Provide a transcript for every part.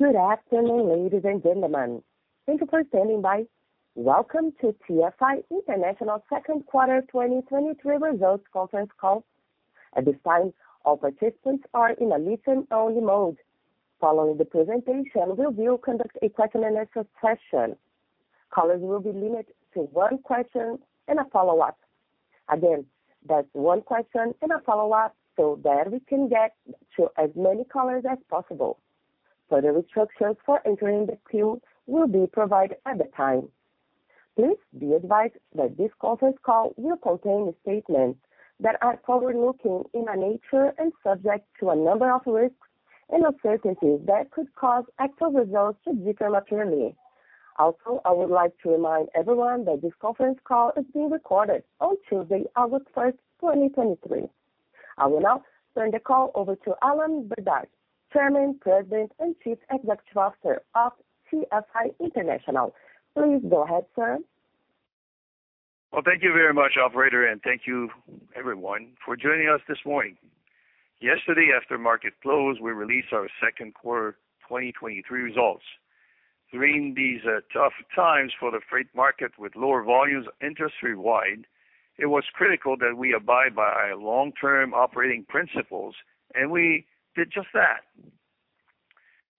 Good afternoon, ladies and gentlemen. Thank you for standing by. Welcome to TFI International Q2 2023 Results Conference Call. At this time, all participants are in a listen-only mode. Following the presentation, we will conduct a question-and-answer session. Callers will be limited to one question and a follow-up. Again, that's one question and a follow-up, so that we can get to as many callers as possible. Further instructions for entering the queue will be provided at the time. Please be advised that this conference call will contain statements that are forward-looking in nature and subject to a number of risks and uncertainties that could cause actual results to differ materially. Also, I would like to remind everyone that this conference call is being recorded on Tuesday, August 1, 2023. I will now turn the call over to Alain Bédard, Chairman, President, and Chief Executive Officer of TFI International. Please go ahead, sir. Well, thank you very much, operator, and thank you everyone for joining us this morning. Yesterday, after market close, we released our Q2 2023 results. During these tough times for the freight market with lower volumes industry-wide, it was critical that we abide by our long-term operating principles. We did just that.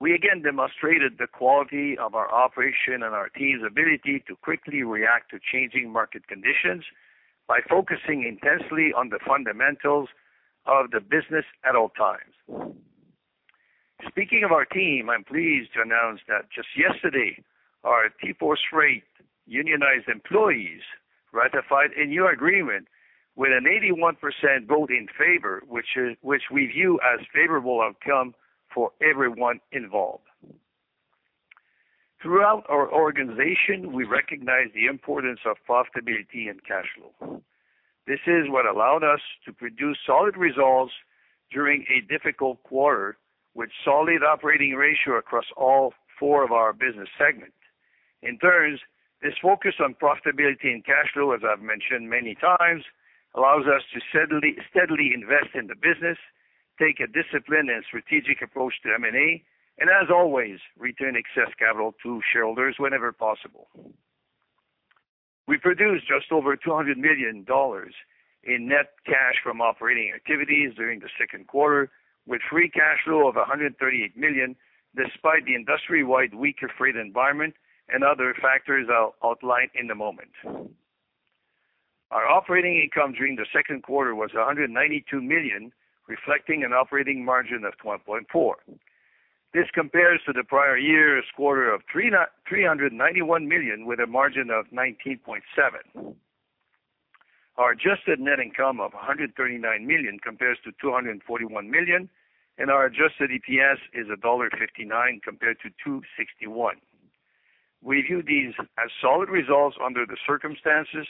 We again demonstrated the quality of our operation and our team's ability to quickly react to changing market conditions by focusing intensely on the fundamentals of the business at all times. Speaking of our team, I'm pleased to announce that just yesterday, our Teamsters Freight unionized employees ratified a new agreement with an 81% vote in favor, which we view as favorable outcome for everyone involved. Throughout our organization, we recognize the importance of profitability and cash flow. This is what allowed us to produce solid results during a difficult quarter, with solid operating ratio across all four of our business segments. In turn, this focus on profitability and cash flow, as I've mentioned many times, allows us to steadily, steadily invest in the business, take a disciplined and strategic approach to M&A, and as always, return excess capital to shareholders whenever possible. We produced just over $200 million in net cash from operating activities during the Q2, with free cash flow of $138 million, despite the industry-wide weaker freight environment and other factors I'll outline in a moment. Our operating income during the Q2 was $192 million, reflecting an operating margin of 20.4%. This compares to the prior year's quarter of $391 million with a margin of 19.7%. Our adjusted net income of $139 million compares to $241 million, our adjusted EPS is $1.59 compared to $2.61. We view these as solid results under the circumstances,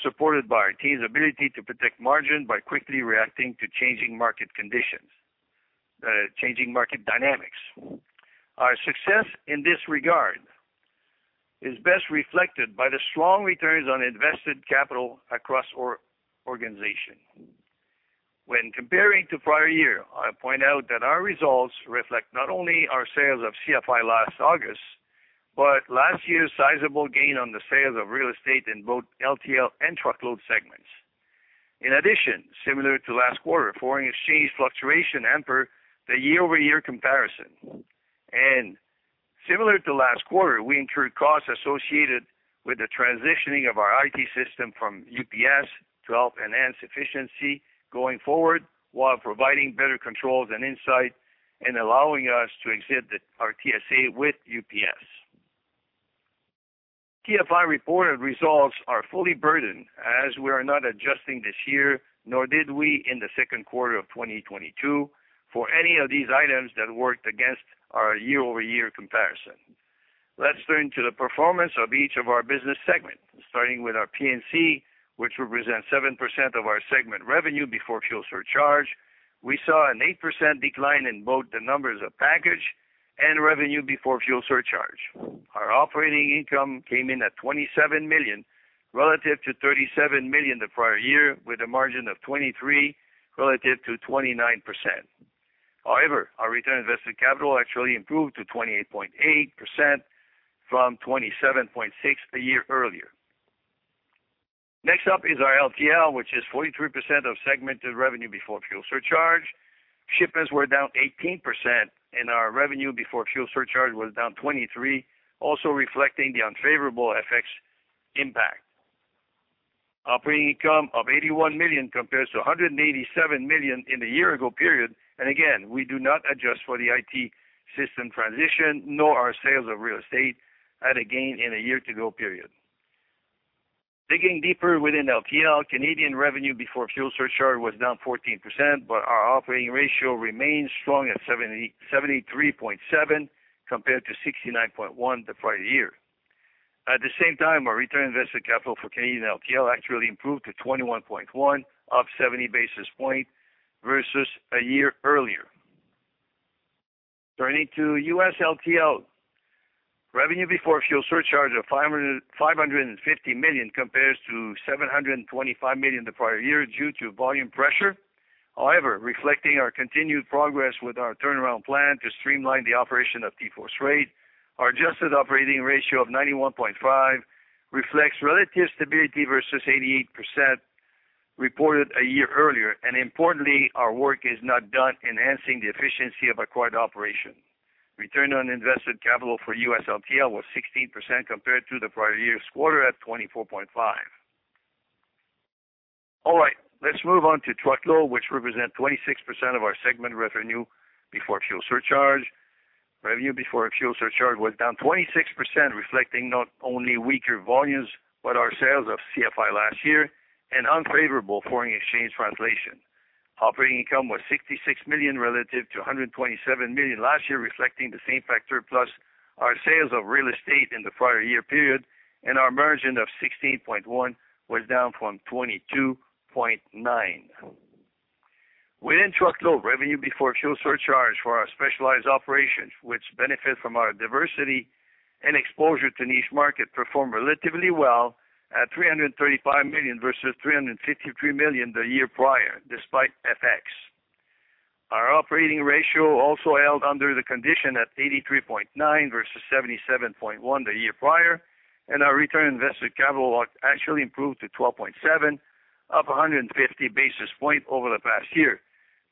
supported by our team's ability to protect margin by quickly reacting to changing market conditions, changing market dynamics. Our success in this regard is best reflected by the strong returns on invested capital across our organization. When comparing to prior year, I point out that our results reflect not only our sales of CFI last August, but last year's sizable gain on the sales of real estate in both LTL and truckload segments. In addition, similar to last quarter, foreign exchange fluctuation hamper the year-over-year comparison. Similar to last quarter, we incurred costs associated with the transitioning of our IT system from UPS to help enhance efficiency going forward, while providing better controls and insight and allowing us to exit our TSA with UPS. TFI reported results are fully burdened, as we are not adjusting this year, nor did we in the Q2 of 2022, for any of these items that worked against our year-over-year comparison. Let's turn to the performance of each of our business segments, starting with our P&C, which represents 7% of our segment revenue before fuel surcharge. We saw an 8% decline in both the numbers of package and revenue before fuel surcharge. Our operating income came in at $27 million, relative to $37 million the prior year, with a margin of 23% relative to 29%. Our return on invested capital actually improved to 28.8% from 27.6% a year earlier. Next up is our LTL, which is 43% of segmented revenue before fuel surcharge. Shipments were down 18% and our revenue before fuel surcharge was down 23%, also reflecting the unfavorable FX impact. Operating income of $81 million compares to $187 million in the year ago period, again, we do not adjust for the IT system transition, nor our sales of real estate at a gain in a year to go period. Digging deeper within LTL, Canadian revenue before fuel surcharge was down 14%, our operating ratio remains strong at 73.7%, compared to 69.1% the prior year. At the same time, our return on invested capital for Canadian LTL actually improved to 21.1, up 70 basis point versus a year earlier. Turning to US LTL. Revenue before fuel surcharge of $550 million, compares to $725 million the prior year, due to volume pressure. Reflecting our continued progress with our turnaround plan to streamline the operation of TForce Freight, our adjusted operating ratio of 91.5 reflects relative stability versus 88%, reported a year earlier. Importantly, our work is not done enhancing the efficiency of acquired operation. Return on invested capital for US LTL was 16% compared to the prior year's quarter at 24.5. Let's move on to truckload, which represent 26% of our segment revenue before fuel surcharge. Revenue before fuel surcharge was down 26%, reflecting not only weaker volumes, but our sales of CFI last year and unfavorable foreign exchange translation. Operating income was $66 million relative to $127 million last year, reflecting the same factor, plus our sales of real estate in the prior year period, and our margin of 16.1 was down from 22.9. Within truckload, revenue before fuel surcharge for our specialized operations, which benefit from our diversity and exposure to niche market, performed relatively well at $335 million versus $353 million the year prior, despite FX. Our operating ratio also held under the condition at 83.9 versus 77.1 the year prior, and our return on invested capital actually improved to 12.7, up 150 basis point over the past year.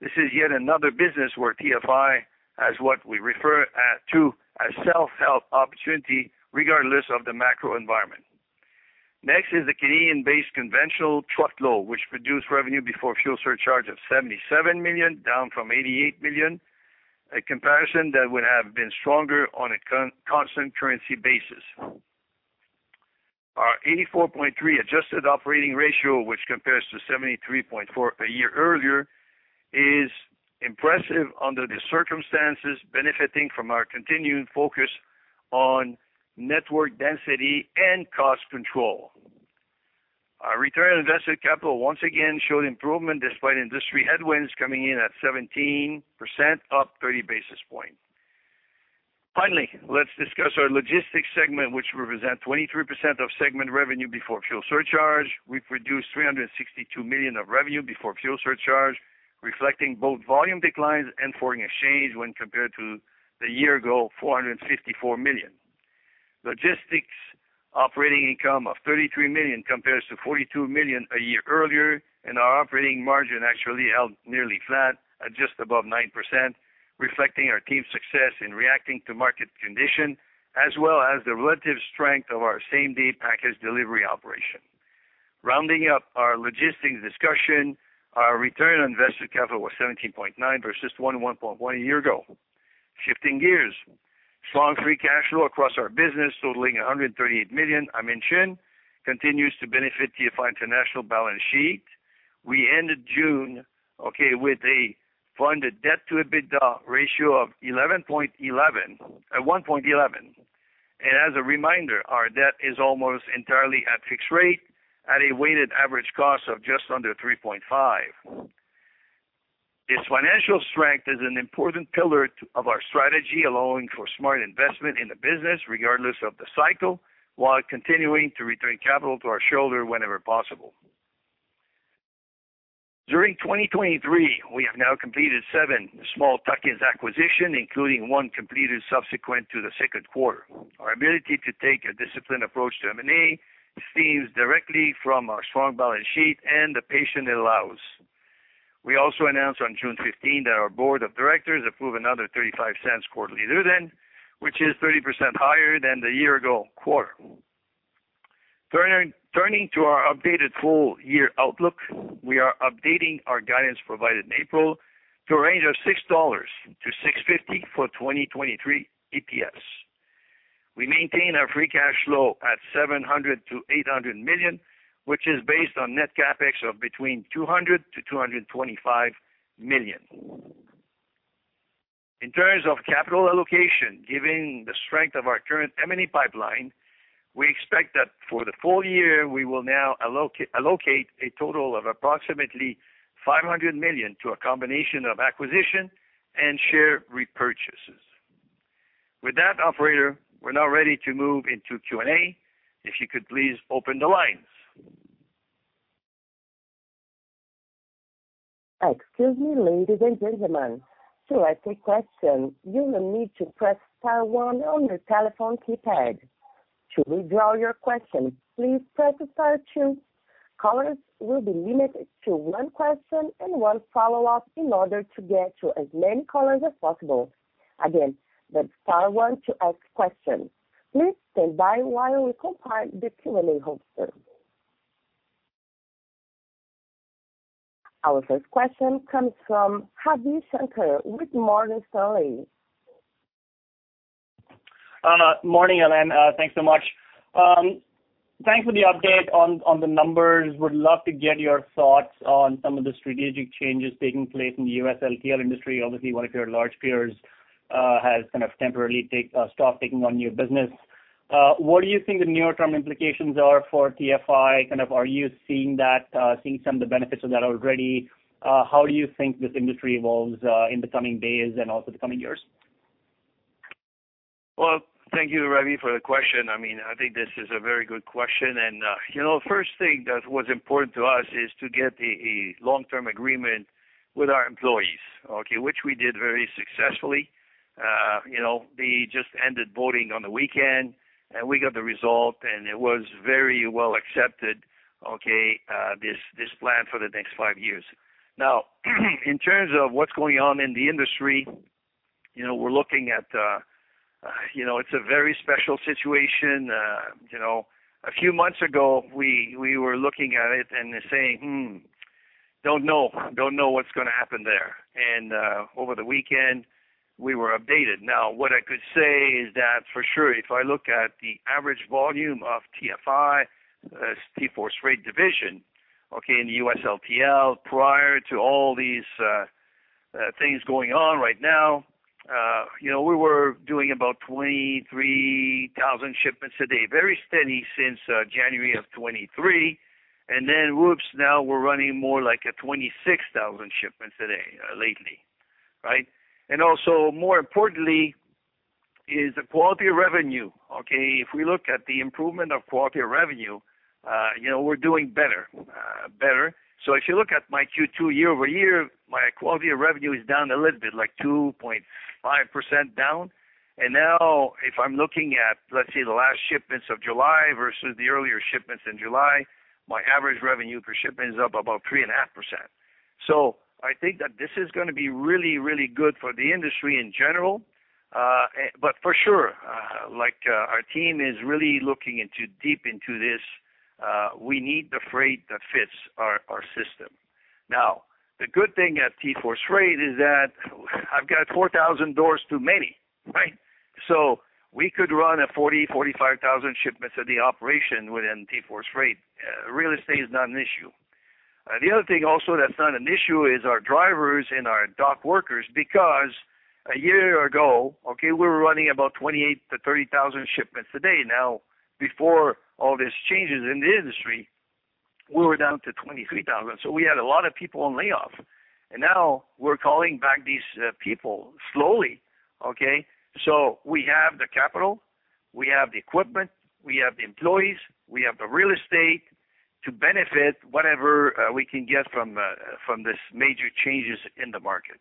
This is yet another business where TFI has what we refer to as self-help opportunity, regardless of the macro environment. The Canadian-based conventional truckload, which produced revenue before fuel surcharge of $77 million, down from $88 million. A comparison that would have been stronger on a constant currency basis. Our 84.3 adjusted operating ratio, which compares to 73.4 a year earlier, is impressive under the circumstances, benefiting from our continuing focus on network density and cost control. Our return on invested capital once again showed improvement despite industry headwinds coming in at 17%, up 30 basis points. Let's discuss our logistics segment, which represents 23% of segment revenue before fuel surcharge. We've produced $362 million of revenue before fuel surcharge, reflecting both volume declines and foreign exchange when compared to the year ago, $454 million. Logistics operating income of $33 million compares to $42 million a year earlier, and our operating margin actually held nearly flat at just above 9%, reflecting our team's success in reacting to market condition, as well as the relative strength of our same-day package delivery operation. Rounding up our logistics discussion, our return on invested capital was 17.9 versus 11.1 a year ago. Shifting gears. Strong free cash flow across our business, totaling $138 million, I mentioned, continues to benefit TFI International balance sheet. We ended June, okay, with a funded debt to EBITDA ratio of 1.11, at 1.11. As a reminder, our debt is almost entirely at fixed rate, at a weighted average cost of just under 3.5%. This financial strength is an important pillar to, of our strategy, allowing for smart investment in the business regardless of the cycle, while continuing to return capital to our shareholder whenever possible. During 2023, we have now completed 7 small tuck-ins acquisition, including one completed subsequent to the Q2. Our ability to take a disciplined approach to M&A stems directly from our strong balance sheet and the patience it allows. We also announced on June 15th that our board of directors approved another $0.35 quarterly dividend, which is 30% higher than the year ago quarter. Turning to our updated full year outlook, we are updating our guidance provided in April to a range of $6-$6.50 for 2023 EPS. We maintain our free cash flow at $700 million-$800 million, which is based on net CapEx of between $200 million-$225 million. In terms of capital allocation, given the strength of our current M&A pipeline, we expect that for the full year, we will now allocate a total of approximately $500 million to a combination of acquisition and share repurchases. With that, operator, we're now ready to move into Q&A. If you could please open the lines. Excuse me, ladies and gentlemen. To ask a question, you will need to press star one on your telephone keypad. To withdraw your question, please press star two. Callers will be limited to one question and one follow-up in order to get to as many callers as possible. Again, that's star one to ask questions. Please stand by while we compile the Q&A holster. Our first question comes from Ravi Shanker with Morgan Stanley. Morning, Alain. Thanks so much. Thanks for the update on, on the numbers. Would love to get your thoughts on some of the strategic changes taking place in the U.S. LTL industry. Obviously, one of your large peers has kind of temporarily stopped taking on new business. What do you think the near-term implications are for TFI? Kind of, are you seeing that, seeing some of the benefits of that already? How do you think this industry evolves in the coming days and also the coming years? Well, thank you, Ravi, for the question. I mean, I think this is a very good question, you know, first thing that was important to us is to get a, a long-term agreement with our employees, okay, which we did very successfully. You know, they just ended voting on the weekend, and we got the result, and it was very well accepted, okay, this, this plan for the next five years. Now, in terms of what's going on in the industry, you know, we're looking at, you know, it's a very special situation. You know, a few months ago, we, we were looking at it and saying, "Hmm, don't know. Don't know what's gonna happen there." Over the weekend, we were updated. Now, what I could say is that for sure, if I look at the average volume of TFI, TForce Freight division, okay, in the US LTL, prior to all these things going on right now, you know, we were doing about 23,000 shipments a day, very steady since January of 2023. Then, whoops, now we're running more like a 26,000 shipments a day, lately, right? More importantly, is the quality of revenue, okay? If we look at the improvement of quality of revenue, you know, we're doing better, better. If you look at my Q2 year-over-year, my quality of revenue is down a little bit, like 2.5% down. Now, if I'm looking at, let's say, the last shipments of July versus the earlier shipments in July, my average revenue per shipment is up about 3.5%. I think that this is gonna be really, really good for the industry in general. But for sure, like, our team is really looking into, deep into this. We need the freight that fits our, our system. Now, the good thing at TForce Freight is that I've got 4,000 doors too many, right? We could run a 40,000-45,000 shipments of the operation within TForce Freight. Real estate is not an issue. The other thing also that's not an issue is our drivers and our dock workers, because a year ago, we were running about 28,000-30,000 shipments a day. Now, before all these changes in the industry, we were down to 23,000. We had a lot of people on layoff. Now we're calling back these people slowly, okay? We have the capital, we have the equipment, we have the employees, we have the real estate to benefit whatever we can get from this major changes in the market.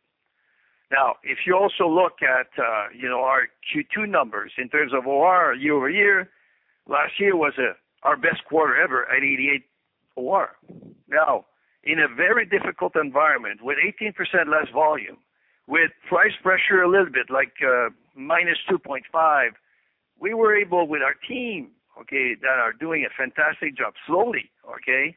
Now, if you also look at, you know, our Q2 numbers in terms of OR year-over-year, last year was our best quarter ever at 88 OR. Now, in a very difficult environment, with 18% less volume, with price pressure a little bit like to 2.5, we were able, with our team, okay, that are doing a fantastic job, slowly, okay,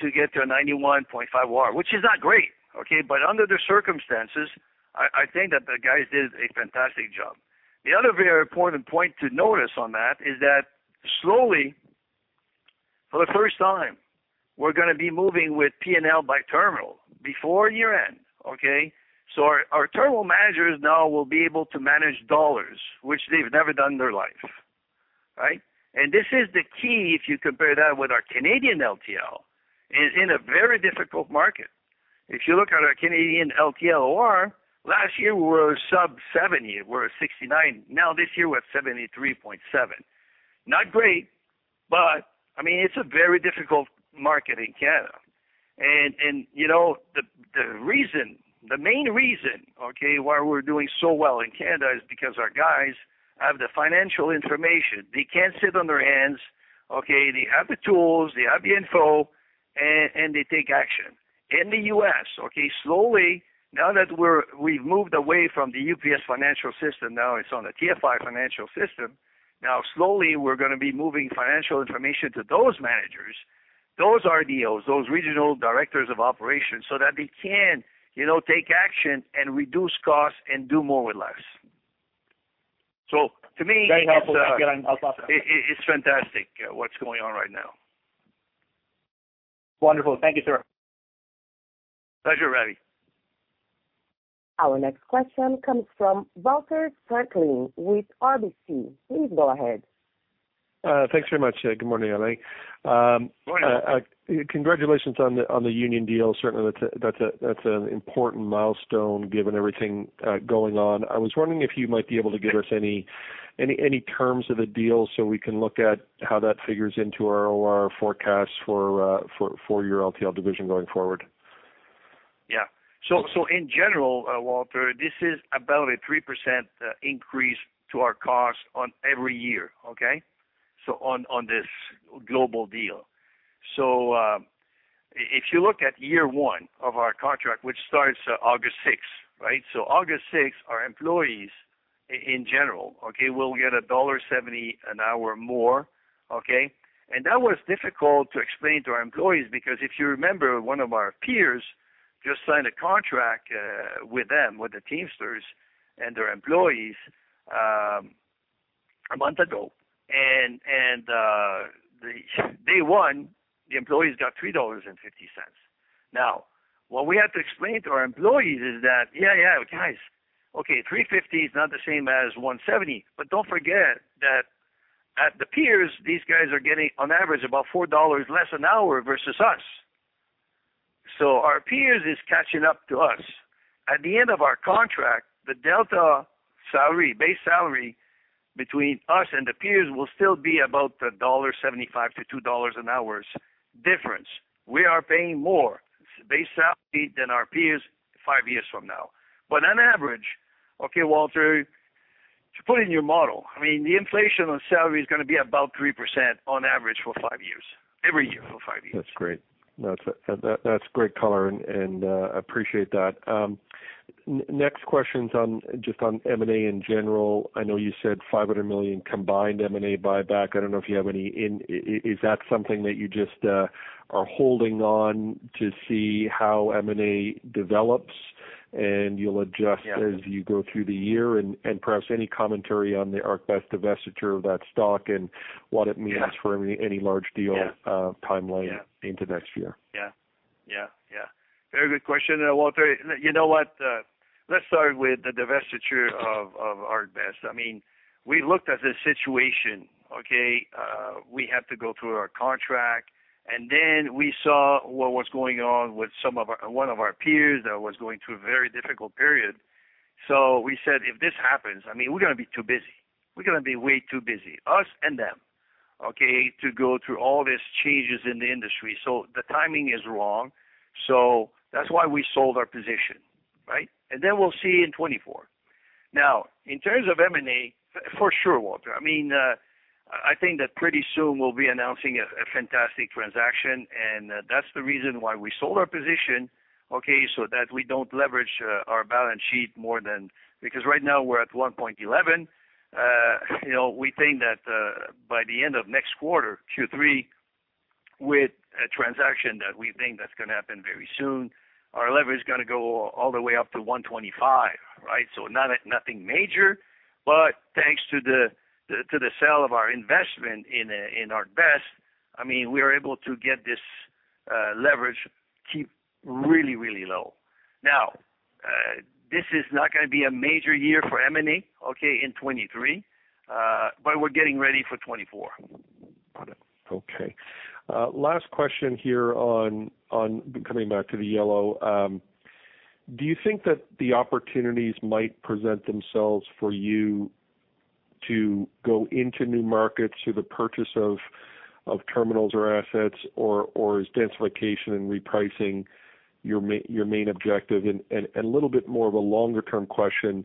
to get to a 91.5 OR, which is not great, okay? Under the circumstances, I, I think that the guys did a fantastic job. The other very important point to notice on that is that slowly, for the first time, we're gonna be moving with P&L by terminal before year-end, okay? Our, our terminal managers now will be able to manage dollars, which they've never done in their life, right? This is the key, if you compare that with our Canadian LTL, is in a very difficult market. If you look at our Canadian LTL OR, last year, we were sub 70, we're 69. Now, this year, we're at 73.7. Not great, but I mean, it's a very difficult market in Canada. And, you know, the, the reason, the main reason, okay, why we're doing so well in Canada is because our guys have the financial information. They can't sit on their hands, okay? They have the tools, they have the info, and, and they take action. In the U.S., okay, slowly, now that we've moved away from the UPS financial system, now it's on the TFI financial system. Slowly, we're gonna be moving financial information to those managers, those RDOs, those regional directors of operations, so that they can, you know, take action and reduce costs and do more with less. To me. Very helpful, yeah. It, it, it's fantastic, what's going on right now. Wonderful. Thank you, sir. Pleasure, Ravi. Our next question comes from Walter Spracklin with RBC. Please go ahead. Thanks very much. Good morning, Alain. Good morning. Congratulations on the, on the union deal. Certainly, that's a, that's a, that's an important milestone, given everything, going on. I was wondering if you might be able to give us any, any, any terms of the deal, so we can look at how that figures into our OR forecasts for, for, for your LTL division going forward. Yeah. In general, Walter, this is about a 3% increase to our costs on every year, okay? On this global deal. If you look at year 1 of our contract, which starts August 6th, right? August 6th, our employees in general, okay, will get $1.70 an hour more, okay? That was difficult to explain to our employees, because if you remember, one of our peers just signed a contract with them, with the Teamsters and their employees a month ago. Day 1, the employees got $3.50. Now, what we have to explain to our employees is that, "Yeah, yeah, guys, okay, $350 is not the same as $170." Don't forget that at the peers, these guys are getting, on average, about $4 less an hour versus us. Our peers is catching up to us. At the end of our contract, the delta salary, base salary between us and the peers will still be about $1.75-$2 an hours difference. We are paying more base salary than our peers five years from now. On average, okay, Walter, to put in your model, I mean, the inflation on salary is gonna be about 3% on average for five years, every year for five years. That's great. That's great color, and I appreciate that. Next question's on, just on M&A in general. I know you said $500 million combined M&A buyback. I don't know if you have any, is that something that you just are holding on to see how M&A develops, and you'll adjust- Yeah. As you go through the year, and, and perhaps any commentary on the ArcBest divestiture of that stock and what it means. Yeah. for any, any large deal, timeline. Yeah. into next year? Yeah. Yeah, yeah. Very good question, Walter. You know what? Let's start with the divestiture of, of ArcBest. I mean, we looked at the situation, okay? We had to go through our contract, and then we saw what was going on with some of our... One of our peers that was going through a very difficult period. We said: If this happens, I mean, we're gonna be too busy. We're gonna be way too busy, us and them, okay, to go through all these changes in the industry. The timing is wrong, so that's why we sold our position, right? Then we'll see in 2024. In terms of M&A, for sure, Walter, I mean, I think that pretty soon we'll be announcing a fantastic transaction, and that's the reason why we sold our position, okay, so that we don't leverage our balance sheet more than... Because right now we're at 1.11. You know, we think that by the end of next quarter, Q3, with a transaction that we think that's gonna happen very soon, our leverage is gonna go all the way up to 1.25, right? Not at nothing major, but thanks to the, to the sale of our investment in ArcBest, I mean, we're able to get this leverage keep really, really low. This is not gonna be a major year for M&A, okay, in 2023, but we're getting ready for 2024. Got it. Okay. Last question here on coming back to the Yellow. Do you think that the opportunities might present themselves for you to go into new markets through the purchase of terminals or assets, or is densification and repricing your main objective? And a little bit more of a longer-term question,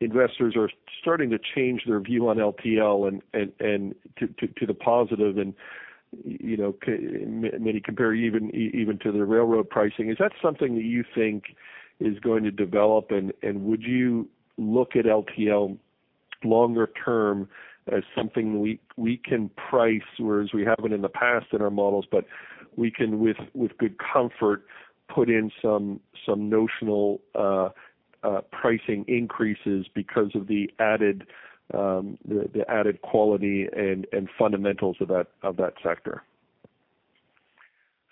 investors are starting to change their view on LTL and to the positive and, you know, many compare even to the railroad pricing. Is that something that you think is going to develop, and, and would you look at LTL longer term as something we, we can price, whereas we haven't in the past in our models, but we can, with, with good comfort, put in some, some notional pricing increases because of the added, the, the added quality and, and fundamentals of that, of that sector?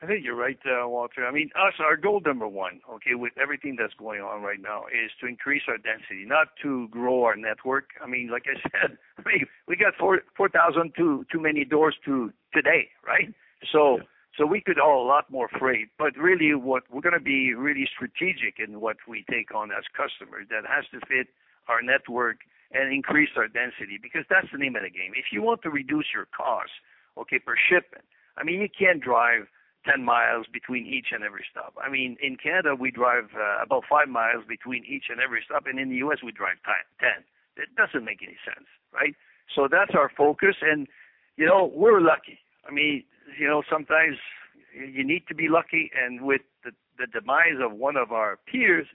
I think you're right, Walter. I mean, us, our goal number 1, okay, with everything that's going on right now, is to increase our density, not to grow our network. I mean, like I said, we, we got 4,000 too many doors to today, right? Yeah. We could haul a lot more freight, really, what we're gonna be really strategic in what we take on as customers. That has to fit our network and increase our density, because that's the name of the game. If you want to reduce your costs, okay, per shipment, I mean, you can't drive 10 miles between each and every stop. I mean, in Canada, we drive about 5 miles between each and every stop, and in the U.S., we drive 10. It doesn't make any sense, right? That's our focus, and, you know, we're lucky. I mean, you know, sometimes you need to be lucky, and with the, the demise of one of our peers,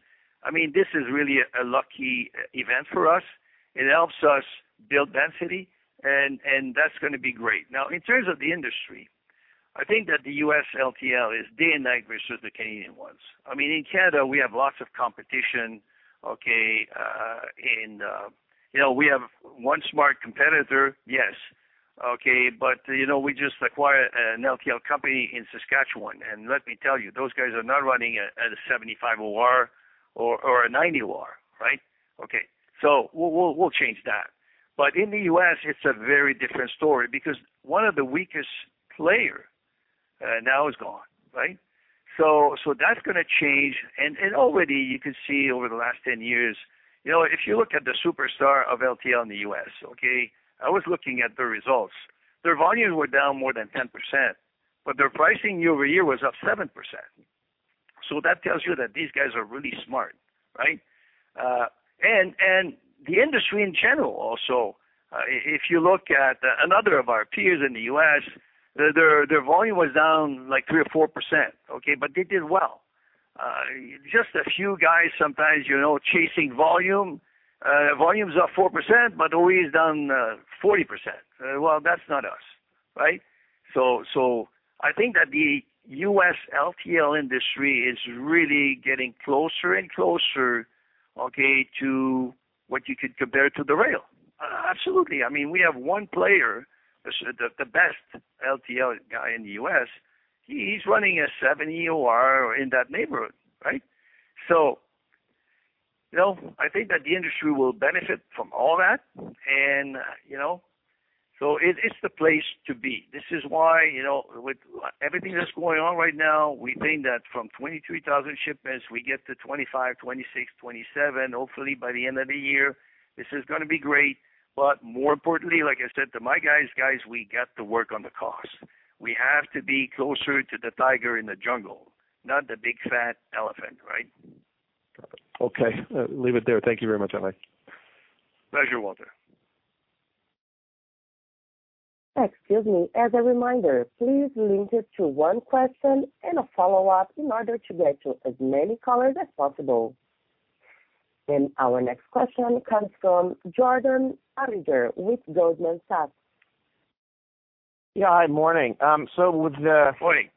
I mean, this is really a lucky event for us. It helps us build density and, and that's gonna be great. In terms of the industry, I think that the U.S. LTL is day and night versus the Canadian ones. I mean, in Canada, we have lots of competition, okay. You know, we have one smart competitor, yes, okay, but, you know, we just acquired an LTL company in Saskatchewan, and let me tell you, those guys are not running at a 75 OR or, or a 90 OR, right? Okay. We'll, we'll, we'll change that. In the U.S., it's a very different story because one of the weakest player, now is gone, right? That's gonna change, and already you can see over the last 10 years, you know, if you look at the superstar of LTL in the U.S., okay, I was looking at the results. Their volumes were down more than 10%, but their pricing year over year was up 7%. That tells you that these guys are really smart, right? The industry in general also, if you look at another of our peers in the US, their, their volume was down, like, 3% or 4%, okay, but they did well. Just a few guys sometimes, you know, chasing volume. Volume is up 4%, OE is down 40%. Well, that's not us, right? I think that the US LTL industry is really getting closer and closer. Okay, to what you could compare to the rail. Absolutely. I mean, we have one player, as the, the best LTL guy in the US. He's running a 7 EOR or in that neighborhood, right? You know, I think that the industry will benefit from all that, and, you know, so it, it's the place to be. This is why, you know, with everything that's going on right now, we think that from 23,000 shipments, we get to 25, 26, 27, hopefully by the end of the year, this is gonna be great. More importantly, like I said to my guys, guys, we got to work on the cost. We have to be closer to the tiger in the jungle, not the big, fat elephant, right? Okay, leave it there. Thank you very much, Alain. Pleasure, Walter. Excuse me. As a reminder, please limit it to one question and a follow-up in order to get to as many callers as possible. Our next question comes from Jordan Alliger with Goldman Sachs. Yeah, hi, morning. with the- Morning.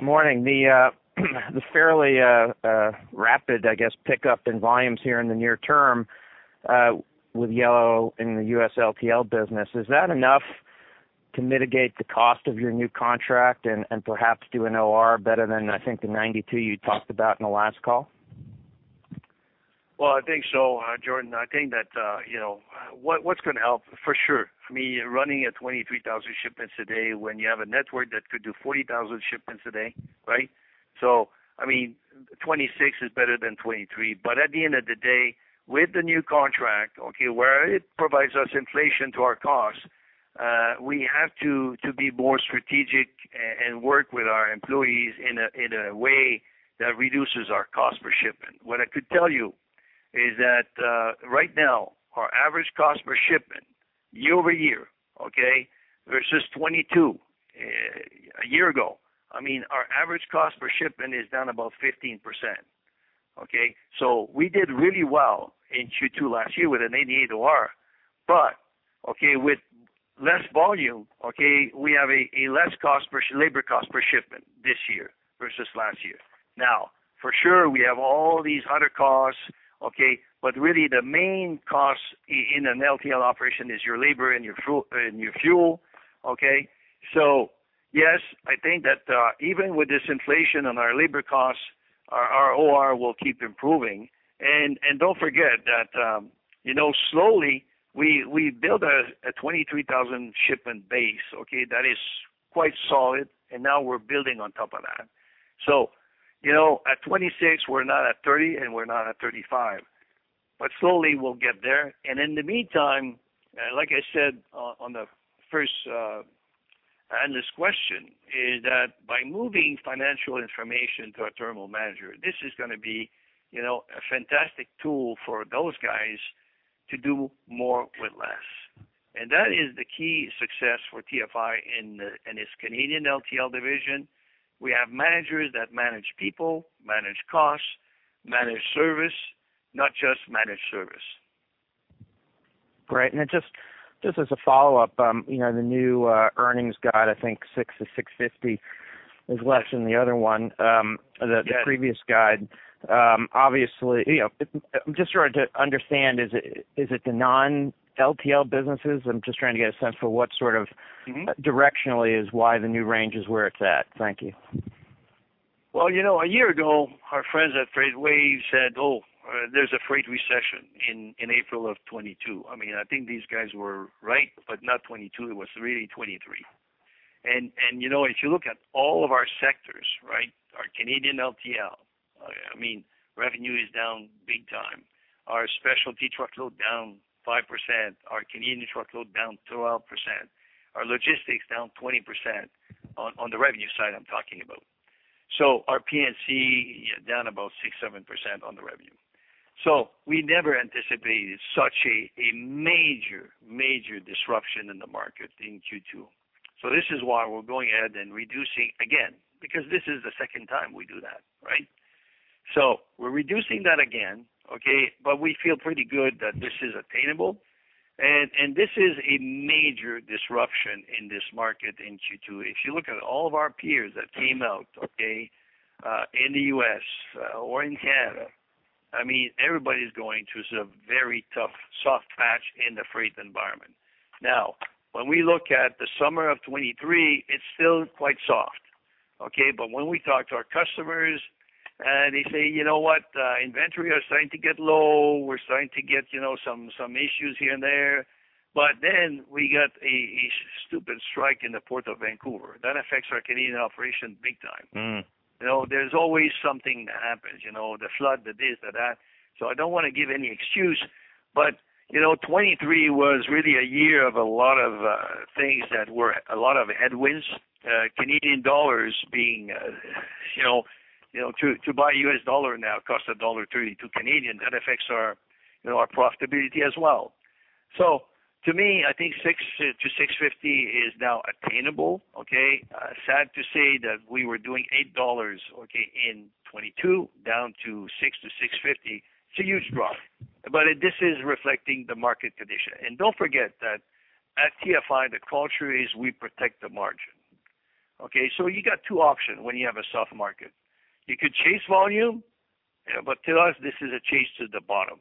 Morning. The, the fairly, rapid, I guess, pickup in volumes here in the near term, with Yellow in the U.S. LTL business, is that enough to mitigate the cost of your new contract and, and perhaps do an OR better than, I think, the 92 you talked about in the last call? Well, I think so, Jordan, I think that, you know, what, what's gonna help for sure, for me, running a 23,000 shipments a day, when you have a network that could do 40,000 shipments a day, right? I mean, 26 is better than 23, but at the end of the day, with the new contract, okay, where it provides us inflation to our costs, we have to, to be more strategic and work with our employees in a, in a way that reduces our cost per shipment. What I could tell you is that, right now, our average cost per shipment, year-over-year, okay, versus 2022, a year ago. I mean, our average cost per shipment is down about 15%. We did really well in Q2 last year with an 88 OR, with less volume, we have a less cost per labor cost per shipment this year versus last year. For sure, we have all these other costs, really the main costs in an LTL operation is your labor and your fuel, and your fuel? Yes, I think that even with this inflation on our labor costs, our OR will keep improving. Don't forget that, you know, slowly we build a 23,000 shipment base. That is quite solid, now we're building on top of that. You know, at 26, we're not at 30, we're not at 35, slowly we'll get there. In the meantime, like I said, on, on the first analyst question, is that by moving financial information to our terminal manager, this is gonna be, you know, a fantastic tool for those guys to do more with less. That is the key success for TFI in its Canadian LTL division. We have managers that manage people, manage costs, manage service, not just manage service. Great, just as a follow-up, you know, the new earnings guide, I think $6.00-$6.50 is less than the other one. Yes. the previous guide. Obviously, you know, I'm just trying to understand, is it, is it the non-LTL businesses? I'm just trying to get a sense for what sort of.. -directionally is why the new range is where it's at. Thank you. Well, you know, a year ago, our friends at FreightWaves said, "Oh, there's a freight recession in, in April of 2022." I mean, I think these guys were right, but not 2022, it was really 2023. You know, if you look at all of our sectors, right, our Canadian LTL, I mean, revenue is down big time. Our specialty truckload down 5%, our Canadian truckload down 12%, our logistics down 20% on, on the revenue side I'm talking about. Our P&C, down about 6%, 7% on the revenue. We never anticipated such a, a major, major disruption in the market in Q2. This is why we're going ahead and reducing again, because this is the second time we do that, right? We're reducing that again, okay, but we feel pretty good that this is attainable, and, and this is a major disruption in this market in Q2. If you look at all of our peers that came out, okay, in the U.S., or in Canada, I mean, everybody's going through some very tough, soft patch in the freight environment. Now, when we look at the summer of 2023, it's still quite soft, okay? When we talk to our customers and they say, "You know what? Inventory are starting to get low. We're starting to get, you know, some, some issues here and there." Then we got a, a stupid strike in the port of Vancouver. That affects our Canadian operation big time. You know, there's always something that happens, you know, the flood, the this, the that. I don't wanna give any excuse, but, you know, 2023 was really a year of a lot of things that were a lot of headwinds, Canadian dollars being, you know, you know, to, to buy U.S. dollar now costs dollar 1.32 Canadian. That affects our, you know, our profitability as well. To me, I think $6.00-$6.50 is now attainable, okay? Sad to say that we were doing $8.00, okay, in 2022, down to $6.00-$6.50. It's a huge drop, but this is reflecting the market condition. Don't forget that at TFI, the culture is we protect the margin. Okay, you got two options when you have a soft market. You could chase volume, to us, this is a chase to the bottom,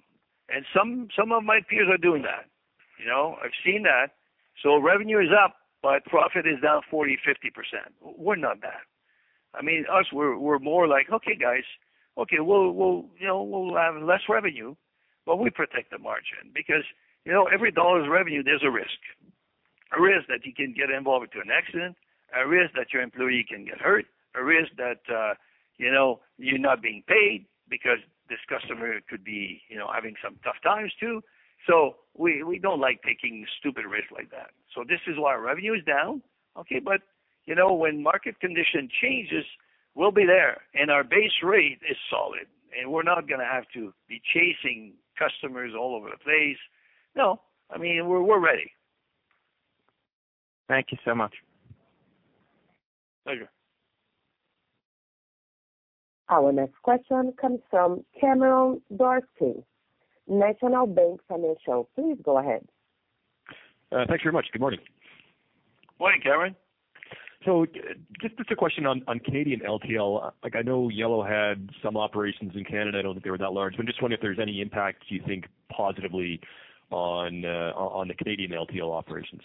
and some, some of my peers are doing that. You know, I've seen that. Revenue is up, but profit is down 40%-50%. We're not that. I mean, us, we're, we're more like, okay, guys, okay, we'll, we'll, you know, we'll have less revenue, but we protect the margin because, you know, every $1 of revenue, there's a risk. A risk that you can get involved into an accident, a risk that your employee can get hurt, a risk that, you know, you're not being paid because this customer could be, you know, having some tough times, too. We, we don't like taking stupid risks like that. This is why our revenue is down, okay, you know, when market condition changes, we'll be there, our base rate is solid, we're not gonna have to be chasing customers all over the place. No, I mean, we're, we're ready. Thank you so much. Pleasure. Our next question comes from Cameron Doerksen, National Bank Financial. Please go ahead. Thanks very much. Good morning. Morning, Cameron. Just, just a question on, on Canadian LTL. Like, I know Yellow had some operations in Canada. I don't think they were that large, but just wondering if there's any impact, you think, positively on, on the Canadian LTL operations?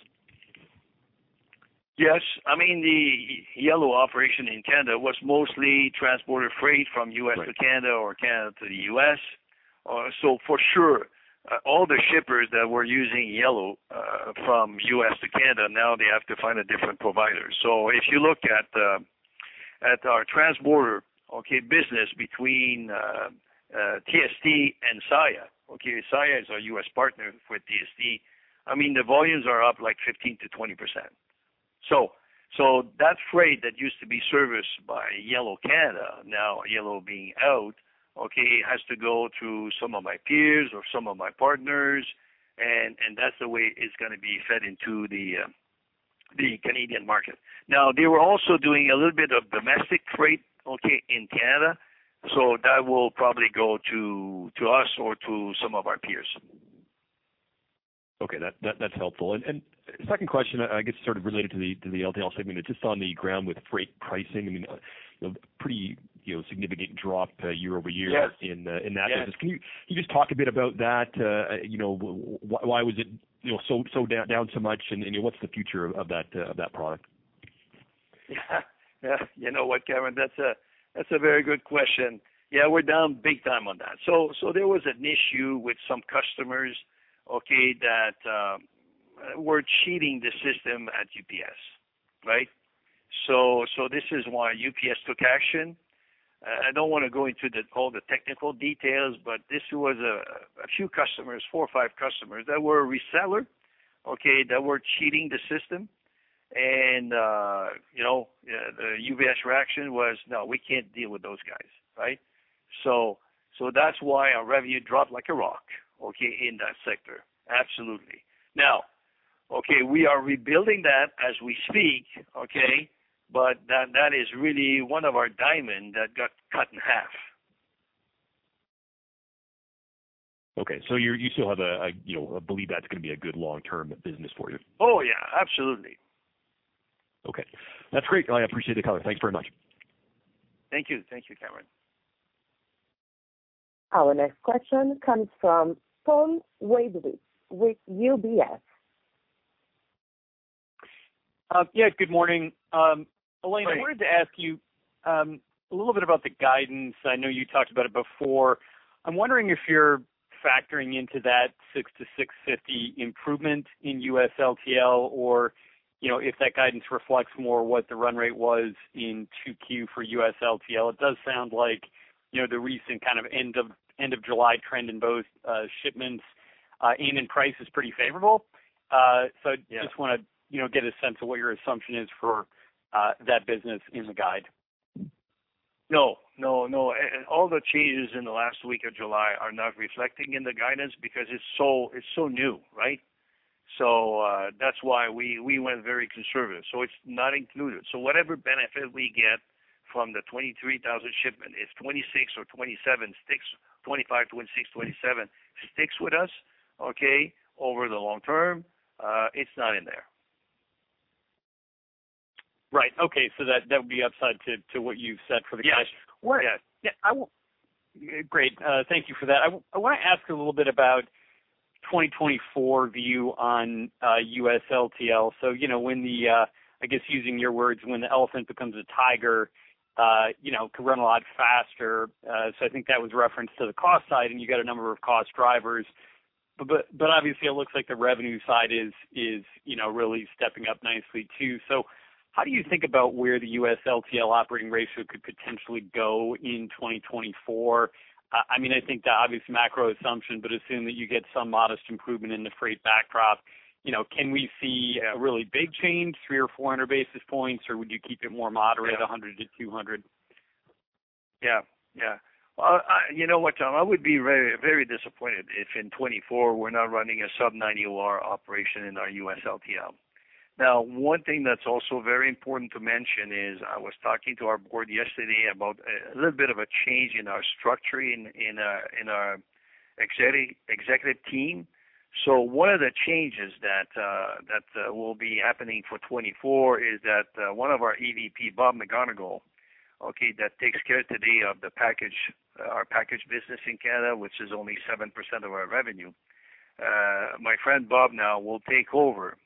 Yes. I mean, the Yellow operation in Canada was mostly transporter freight from U.S. to Canada or Canada to the U.S. For sure, all the shippers that were using Yellow, from U.S. to Canada, now they have to find a different provider. If you look at, at our transporter, okay, business between TSD and Saia, okay, Saia is our U.S. partner with TSD. I mean, the volumes are up, like, 15% to 20%. That freight that used to be serviced by Yellow Canada, now, Yellow being out, okay, has to go through some of my peers or some of my partners, and that's the way it's gonna be fed into the Canadian market. They were also doing a little bit of domestic freight, okay, in Canada, so that will probably go to, to us or to some of our peers. Okay, that, that's helpful. Second question, I guess, sort of related to the, to the LTL segment, just on the ground with freight pricing, I mean, a pretty, you know, significant drop year-over-year. Yes. in, in that business. Yes. Can you, can you just talk a bit about that, you know, why was it, you know, so down so much, and what's the future of that, of that product? You know what, Cameron? That's a very good question. Yeah, we're down big time on that. There was an issue with some customers, okay, that were cheating the system at UPS, right? This is why UPS took action. I don't want to go into the, all the technical details, but this was a few customers, four or five customers, that were a reseller, okay, that were cheating the system. You know, the UPS reaction was: No, we can't deal with those guys, right? That's why our revenue dropped like a rock, okay, in that sector. Absolutely. Now, we are rebuilding that as we speak, but that is really one of our diamond that got cut in half. Okay, you, you still have a, a, you know, a belief that's gonna be a good long-term business for you? Oh, yeah, absolutely. Okay. That's great. I appreciate the color. Thank you very much. Thank you. Thank you, Cameron. Our next question comes from Tom Wadewitz with UBS. yes, good morning. Alain- Hi. I wanted to ask you a little bit about the guidance. I know you talked about it before. I'm wondering if you're factoring into that $6-$6.50 improvement in U.S. LTL, or, you know, if that guidance reflects more what the run rate was in 2Q for U.S. LTL. It does sound like, you know, the recent kind of end of, end of July trend in both shipments and in price is pretty favorable. Yeah... just wanna, you know, get a sense of what your assumption is for, that business in the guide. No, no, no. All the changes in the last week of July are not reflecting in the guidance because it's so, it's so new, right? That's why we, we went very conservative, so it's not included. Whatever benefit we get from the 23,000 shipment, if 26 or 27 sticks, 25, 26, 27 sticks with us, okay, over the long term, it's not in there. Right. Okay, that, that would be upside to, to what you've set for the guidance. Yes. Great. Thank you for that. I want to ask a little bit about 2024 view on US LTL. You know, when the, I guess using your words, when the elephant becomes a tiger, you know, could run a lot faster. I think that was referenced to the cost side, you got a number of cost drivers. Obviously it looks like the revenue side is, you know, really stepping up nicely too. How do you think about where the US LTL operating ratio could potentially go in 2024? I mean, I think the obvious macro assumption, assume that you get some modest improvement in the freight backdrop. You know, can we see- Yeah... a really big change, 300 or 400 basis points, or would you keep it more moderate- Yeah... 100 to 200? Yeah, yeah, you know what, Tom Wadewitz? I would be very, very disappointed if in 2024, we're not running a sub-90 OR operation in our US LTL. Now, one thing that's also very important to mention is, I was talking to our board yesterday about a, a little bit of a change in our structuring in our executive team. One of the changes that will be happening for 2024 is that one of our EVP, Bob McGonigal, okay, that takes care today of the package, our package business in Canada, which is only 7% of our revenue. My friend Bob, now will take over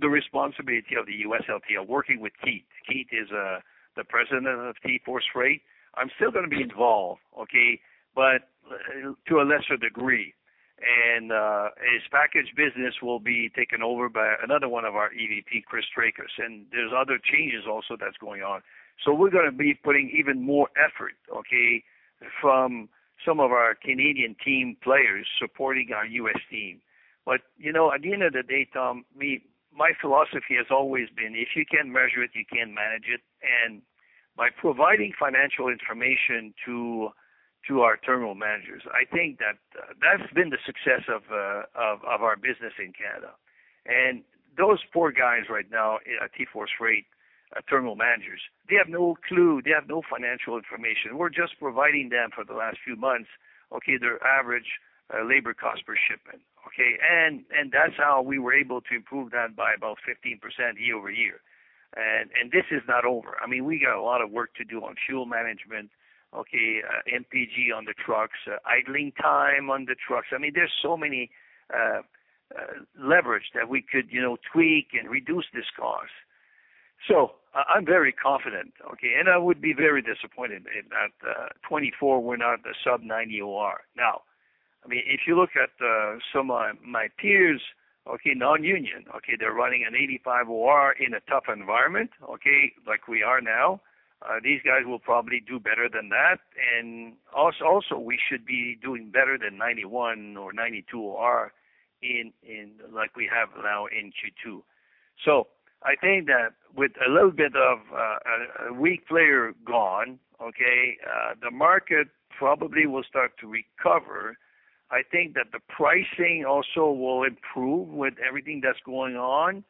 the responsibility of the US LTL, working with Keith. Keith is the president of TForce Freight. I'm still gonna be involved, okay, but to a lesser degree. His package business will be taken over by another one of our EVP, Chris Straker. There's other changes also that's going on. We're gonna be putting even more effort, okay, from some of our Canadian team players supporting our U.S. team. You know, at the end of the day, Tom, my philosophy has always been, if you can't measure it, you can't manage it. By providing financial information to, to our terminal managers, I think that that's been the success of our business in Canada. Those poor guys right now at TForce Freight terminal managers, they have no clue, they have no financial information. We're just providing them for the last few months, okay, their average labor cost per shipment, okay? That's how we were able to improve that by about 15% year-over-year. This is not over. I mean, we got a lot of work to do on fuel management, okay, MPG on the trucks, idling time on the trucks. I mean, there's so many leverage that we could, you know, tweak and reduce this cost. I'm very confident, okay? I would be very disappointed if that 2024, we're not a sub 90 OR. I mean, if you look at some of my peers, okay, non-union, okay, they're running an 85 OR in a tough environment, okay, like we are now. These guys will probably do better than that. We should be doing better than 91 or 92 OR in like we have now in Q2. I think that with a little bit of a weak player gone, okay, the market probably will start to recover. I think that the pricing also will improve with everything that's going on.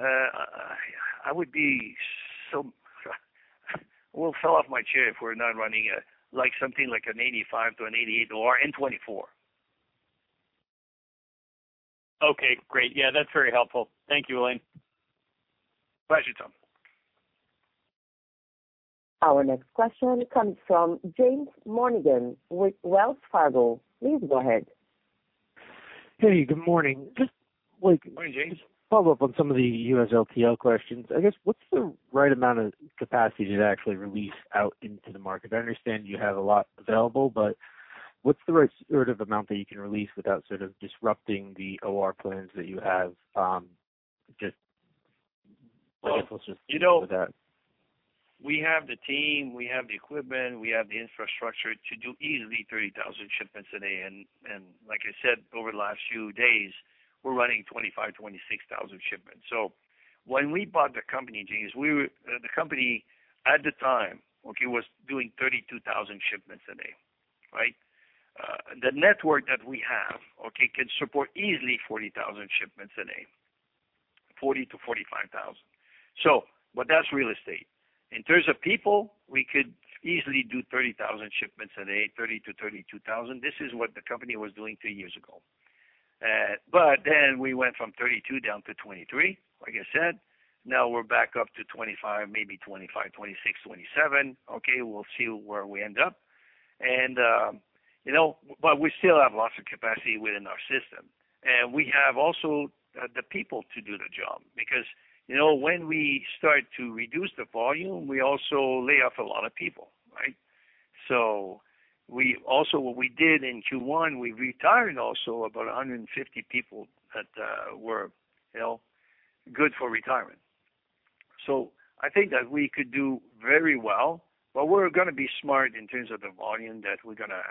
I would be so... Will fall off my chair if we're not running a, like, something like an 85 to an 88 OR in 2024. Okay, great. Yeah, that's very helpful. Thank you, Alain. Pleasure, Tom. Our next question comes from James Monigan with Wells Fargo. Please go ahead. Hey, good morning. Good morning, James. Follow up on some of the U.S. LTL questions. I guess, what's the right amount of capacity to actually release out into the market? I understand you have a lot available, but what's the right sort of amount that you can release without sort of disrupting the OR plans that you have, just, I guess I'll just leave it at that. You know, we have the team, we have the equipment, we have the infrastructure to do easily 30,000 shipments a day. Like I said, over the last few days, we're running 25,000 to 26,000 shipments. When we bought the company, James, we were the company at the time, okay, was doing 32,000 shipments a day, right? The network that we have, okay, can support easily 40,000 shipments a day, 40,000 to 45,000. That's real estate. In terms of people, we could easily do 30,000 shipments a day, 30,000 to 32,000. This is what the company was doing two years ago. Then we went from 32 down to 23, like I said. Now we're back up to 25, maybe 25, 26, 27. Okay, we'll see where we end up. you know, we still have lots of capacity within our system, and we have also the people to do the job. Because, you know, when we start to reduce the volume, we also lay off a lot of people, right? we also, what we did in Q1, we retired also about 150 people that were, you know, good for retirement. I think that we could do very well, but we're gonna be smart in terms of the volume that we're gonna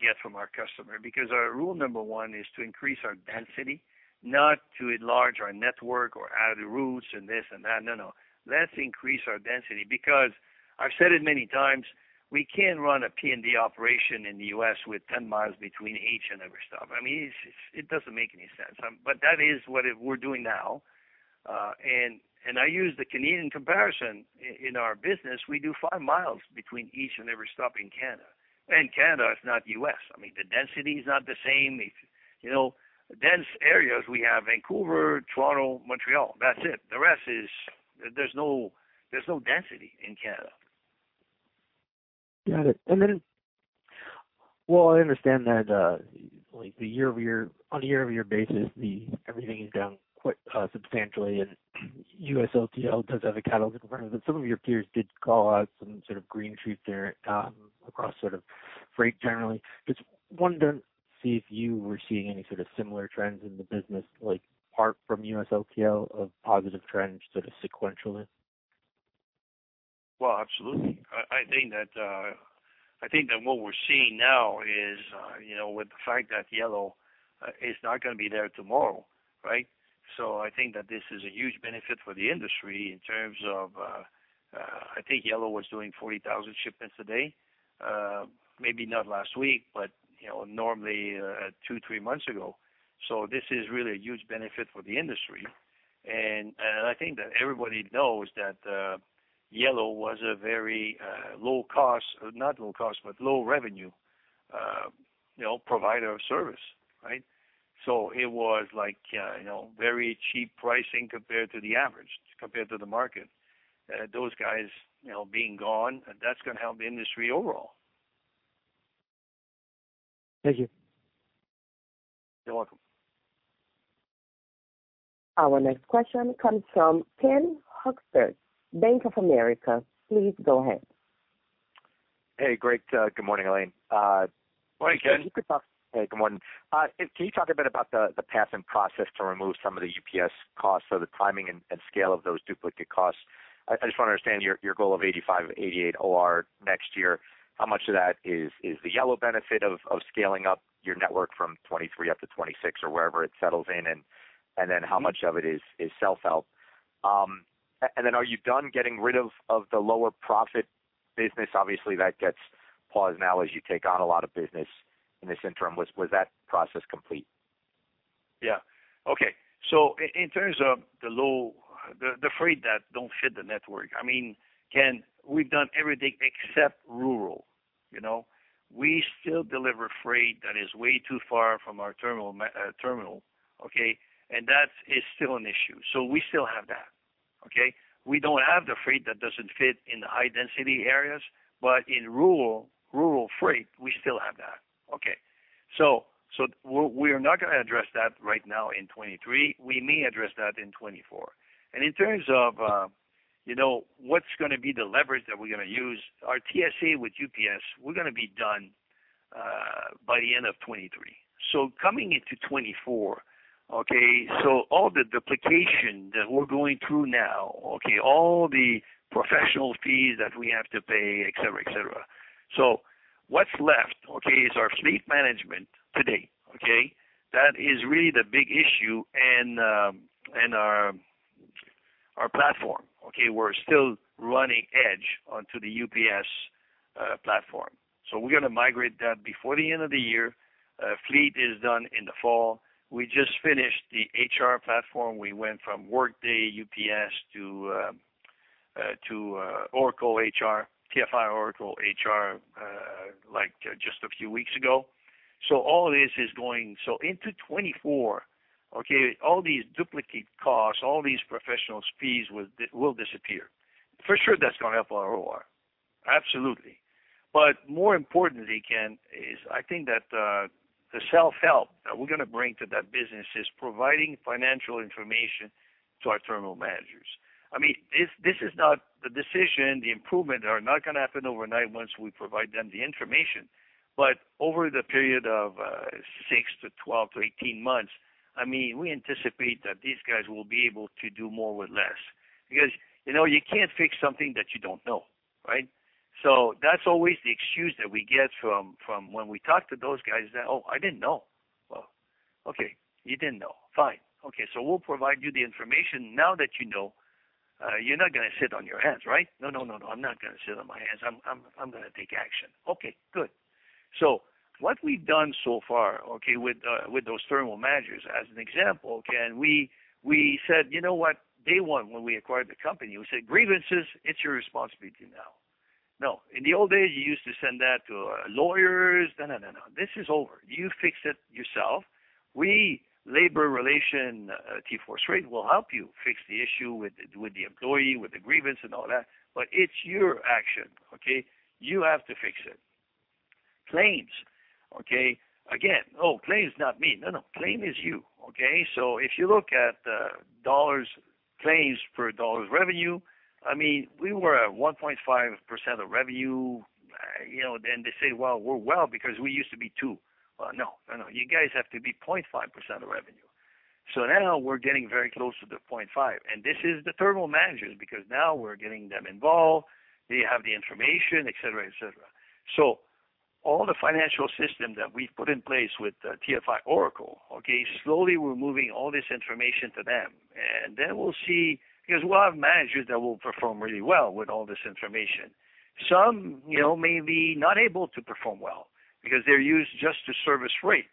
get from our customer, because our rule number 1 is to increase our density, not to enlarge our network or add routes and this and that. No, no, let's increase our density, because I've said it many times, we can't run a P&D operation in the U.S. with 10 miles between each and every stop. I mean, it, it doesn't make any sense. That is what we're doing now. And I use the Canadian comparison in our business. We do 5 miles between each and every stop in Canada. Canada is not U.S. I mean, the density is not the same. If, you know, dense areas, we have Vancouver, Toronto, Montreal. That's it. The rest is, there's no, there's no density in Canada. Got it. And then... Well, I understand that, like the year-over-year, on a year-over-year basis, the everything is down quite substantially, and U.S. LTL does have a catalytic environment, but some of your peers did call out some sort of green shoots there, across sort of freight generally. Just wondering to see if you were seeing any sort of similar trends in the business, like apart from U.S. LTL, a positive trend, sort of sequentially? Well, absolutely. I, I think that, I think that what we're seeing now is, you know, with the fact that Yellow is not gonna be there tomorrow, right? I think that this is a huge benefit for the industry in terms of... I think Yellow was doing 40,000 shipments a day, maybe not last week, but, you know, normally, two, three months ago. This is really a huge benefit for the industry. I think that everybody knows that, Yellow was a very, low cost, not low cost, but low revenue, you know, provider of service, right? It was like, you know, very cheap pricing compared to the average, compared to the market. Those guys, you know, being gone, that's gonna help the industry overall. Thank you. You're welcome. Our next question comes from Ken Hoexter, Bank of America. Please go ahead. Hey, great. Good morning, Alain. Morning, Ken. Hey, good morning. Can you talk a bit about the, the passing process to remove some of the UPS costs, so the timing and, and scale of those duplicate costs? I, I just want to understand your, your goal of 85, 88 OR next year, how much of that is, is the Yellow benefit of, of scaling up your network from 23 up to 26 or wherever it settles in, and, and then how much of it is, is self-help? Then are you done getting rid of, of the lower profit business? Obviously, that gets paused now as you take on a lot of business in this interim. Was, was that process complete? Yeah. Okay. So in terms of the, the freight that don't fit the network, I mean, Ken, we've done everything except rural, you know? We still deliver freight that is way too far from our terminal, terminal, okay? That is still an issue. We still have that, okay? We don't have the freight that doesn't fit in the high-density areas, but in rural, rural freight, we still have that. Okay, we're, we're not gonna address that right now in 2023. We may address that in 2024. In terms of, you know, what's gonna be the leverage that we're gonna use, our TSA with UPS, we're gonna be done by the end of 2023. Coming into 2024, okay, all the duplication that we're going through now, okay, all the professional fees that we have to pay, et cetera, et cetera. What's left, okay, is our fleet management today, okay? That is really the big issue, and our, our platform, okay? We're still running edge onto the UPS platform. We're gonna migrate that before the end of the year. Fleet is done in the fall. We just finished the HR platform. We went from Workday UPS to Oracle HR, TFI Oracle HR, like just a few weeks ago. All this is going... Into 2024, okay, all these duplicate costs, all these professionals fees will disappear. For sure, that's gonna help our OR. Absolutely. More importantly, Ken, is I think that the self-help that we're gonna bring to that business is providing financial information to our terminal managers. I mean, this, this is not the decision. The improvement are not gonna happen overnight once we provide them the information, but over the period of 6 to 12 to 18 months, I mean, we anticipate that these guys will be able to do more with less. Because, you know, you can't fix something that you don't know, right? That's always the excuse that we get from, from when we talk to those guys that, "Oh, I didn't know." Well, okay, you didn't know. Fine. Okay, so we'll provide you the information. Now that you know, you're not gonna sit on your hands, right? "No, no, no, no, I'm not gonna sit on my hands. I'm gonna take action." Okay, good. What we've done so far, okay, with those terminal managers, as an example, Ken, we, we said, "You know what?" Day one, when we acquired the company, we said, "Grievances, it's your responsibility now." Now, in the old days, you used to send that to lawyers. No, no, no, no, this is over. You fix it yourself. We, labor relation, TForce Freight, will help you fix the issue with the, with the employee, with the grievance and all that, but it's your action, okay? You have to fix it. Claims, okay? Again, "Oh, claims not me." No, no, claim is you, okay? If you look at dollars claims per dollars revenue, I mean, we were at 1.5% of revenue. You know, then they say, "Well, we're well because we used to be 2." Well, no, no, no, you guys have to be 0.5% of revenue. Now we're getting very close to the 0.5, and this is the terminal managers, because now we're getting them involved, they have the information, et cetera, et cetera. All the financial system that we've put in place with TFI Oracle, okay, slowly we're moving all this information to them, and then we'll see, because we'll have managers that will perform really well with all this information. Some, you know, may be not able to perform well because they're used just to service rate.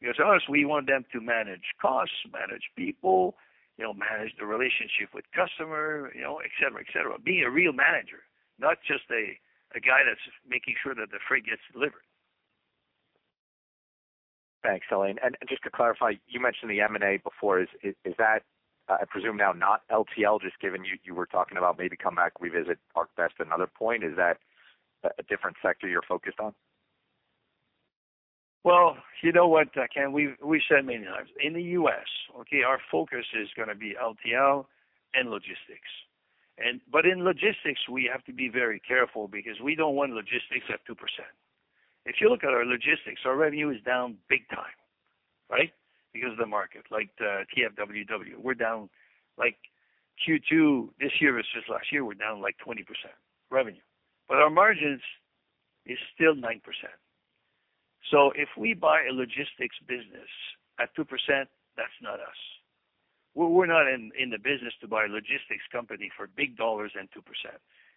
Because us, we want them to manage costs, manage people, you know, manage the relationship with customer, you know, et cetera, et cetera. Be a real manager, not just a, a guy that's making sure that the freight gets delivered. Thanks, Alain. Just to clarify, you mentioned the M&A before. Is that, I presume now, not LTL, just given you were talking about maybe come back, revisit ArcBest at another point? Is that a different sector you're focused on? Well, you know what, Ken, we've, we said many times, in the U.S., okay, our focus is gonna be LTL and logistics. But in logistics, we have to be very careful because we don't want logistics at 2%. If you look at our logistics, our revenue is down big time, right? Because of the market, like, TFWW, we're down like Q2 this year versus last year, we're down, like, 20% revenue, but our margins is still 9%. If we buy a logistics business at 2%, that's not us. We're, we're not in, in the business to buy a logistics company for big dollars and 2%.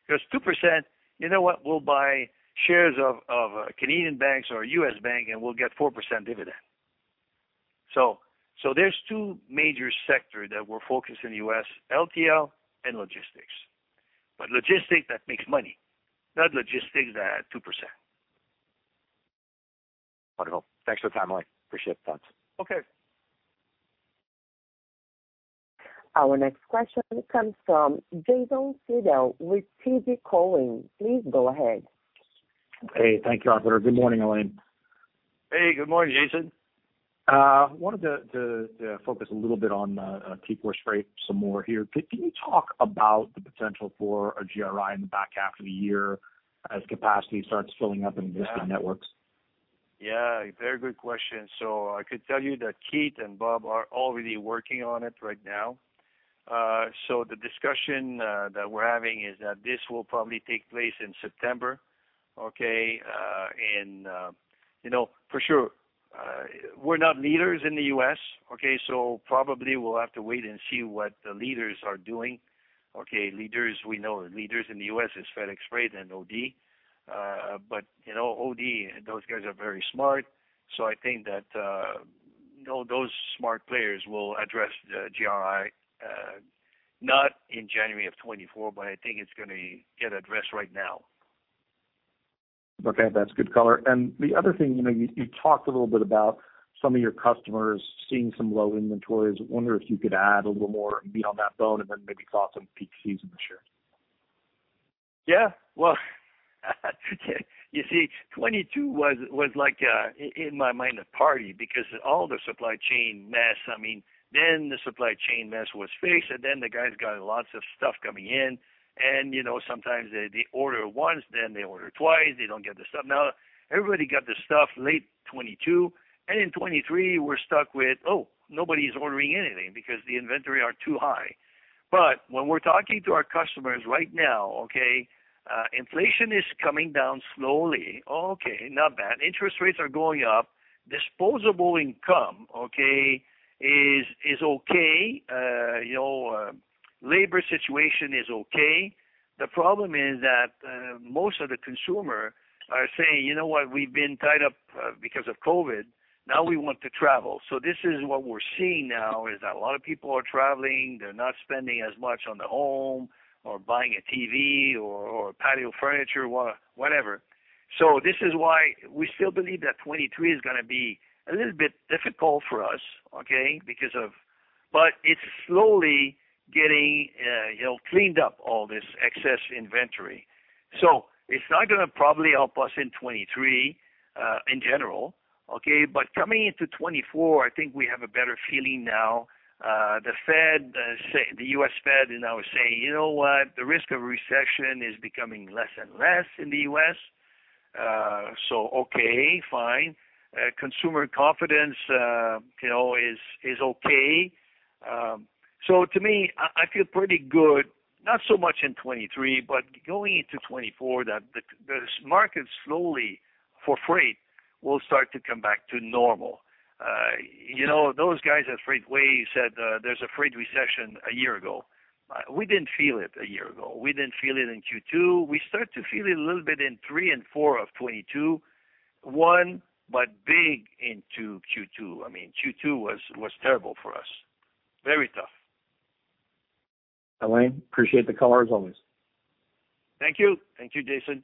Because 2%, you know what? We'll buy shares of, of Canadian banks or U.S. bank, and we'll get 4% dividend. So there's two major sector that we're focused in the U.S., LTL and logistics. Logistics that makes money, not logistics at 2%. Wonderful. Thanks for the timeline. Appreciate it. Thanks. Okay. Our next question comes from Jason Seidl with TD Cowen. Please go ahead. Hey, thank you, operator. Good morning, Alain. Hey, good morning, Jason. wanted to focus a little bit on TForce Freight some more here. Could you talk about the potential for a GRI in the back half of the year as capacity starts filling up in existing networks? Yeah, very good question. I could tell you that Keith and Bob are already working on it right now. The discussion that we're having is that this will probably take place in September, okay? you know, for sure, we're not leaders in the U.S., okay? Probably we'll have to wait and see what the leaders are doing, okay. Leaders, we know leaders in the U.S. is FedEx Freight and OD, but, you know, OD, those guys are very smart. I think that, you know, those smart players will address the GRI, not in January of 2024, but I think it's gonna get addressed right now. Okay, that's good color. The other thing, you know, you, you talked a little bit about some of your customers seeing some low inventories. I wonder if you could add a little more meat on that bone and then maybe talk some peak season for sure. Yeah, well, you see, 2022 was, was like, in, in my mind, a party, because all the supply chain mess, I mean, then the supply chain mess was fixed, and then the guys got lots of stuff coming in, and, you know, sometimes they, they order once, then they order twice, they don't get the stuff. Now, everybody got the stuff late 2022, and in 2023, we're stuck with, "Oh, nobody's ordering anything because the inventory are too high." When we're talking to our customers right now, okay, inflation is coming down slowly, okay, not bad. Interest rates are going up. Disposable income, okay, is, is okay, you know, labor situation is okay. The problem is that, most of the consumer are saying: "You know what? We've been tied up, because of COVID, now we want to travel." This is what we're seeing now, is that a lot of people are traveling, they're not spending as much on the home, or buying a TV or, or patio furniture, whatever. This is why we still believe that 2023 is gonna be a little bit difficult for us, okay, because of. It's slowly getting, you know, cleaned up, all this excess inventory. It's not gonna probably help us in 2023, in general, okay? Coming into 2024, I think we have a better feeling now. The Fed, say the US Fed is now saying: "You know what? The risk of recession is becoming less and less in the US." Okay, fine. Consumer confidence, you know, is, is okay. To me, I feel pretty good, not so much in 2023, but going into 2024, that the, the market slowly, for freight, will start to come back to normal. You know, those guys at FreightWaves said, there's a freight recession a year ago. We didn't feel it a year ago. We didn't feel it in Q2. We start to feel it a little bit in Three and four of 2022, one, but big into Q2. I mean, Q2 was, was terrible for us. Very tough. Alain, appreciate the call, as always. Thank you. Thank you, Jason.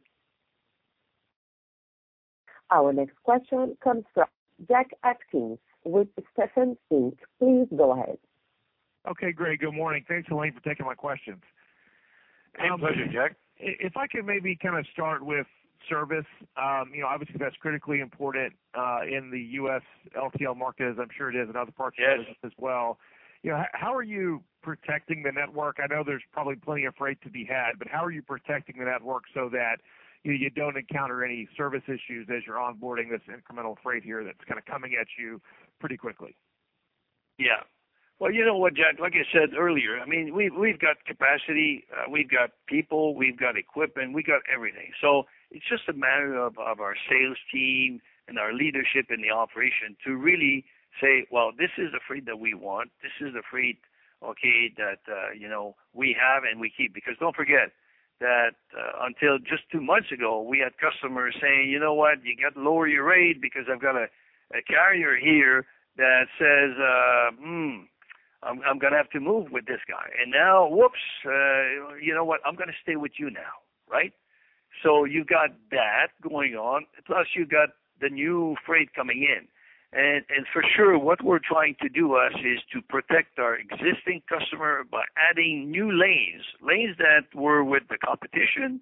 Our next question comes from Jack Atkins with Stephens Inc. Please go ahead. Okay, great. Good morning. Thanks, Alain, for taking my questions. My pleasure, Jack. If I could maybe kinda start with service. You know, obviously, that's critically important in the U.S. LTL market, as I'm sure it is in other parts of the business as well. Yes. You know, how are you protecting the network? I know there's probably plenty of freight to be had, but how are you protecting the network so that, you know, you don't encounter any service issues as you're onboarding this incremental freight here that's kinda coming at you pretty quickly? Well, you know what, Jack, like I said earlier, I mean, we've, we've got capacity, we've got people, we've got equipment, we got everything. It's just a matter of, of our sales team and our leadership in the operation to really say: "Well, this is the freight that we want. This is the freight, okay, that, you know, we have and we keep." Because don't forget that, until just two months ago, we had customers saying: "You know what? You got to lower your rate because I've got a, a carrier here that says, I'm, I'm gonna have to move with this guy." Now, whoops, "You know what? I'm gonna stay with you now," right? You've got that going on, plus you've got the new freight coming in. For sure, what we're trying to do, us, is to protect our existing customer by adding new lanes, lanes that were with the competition,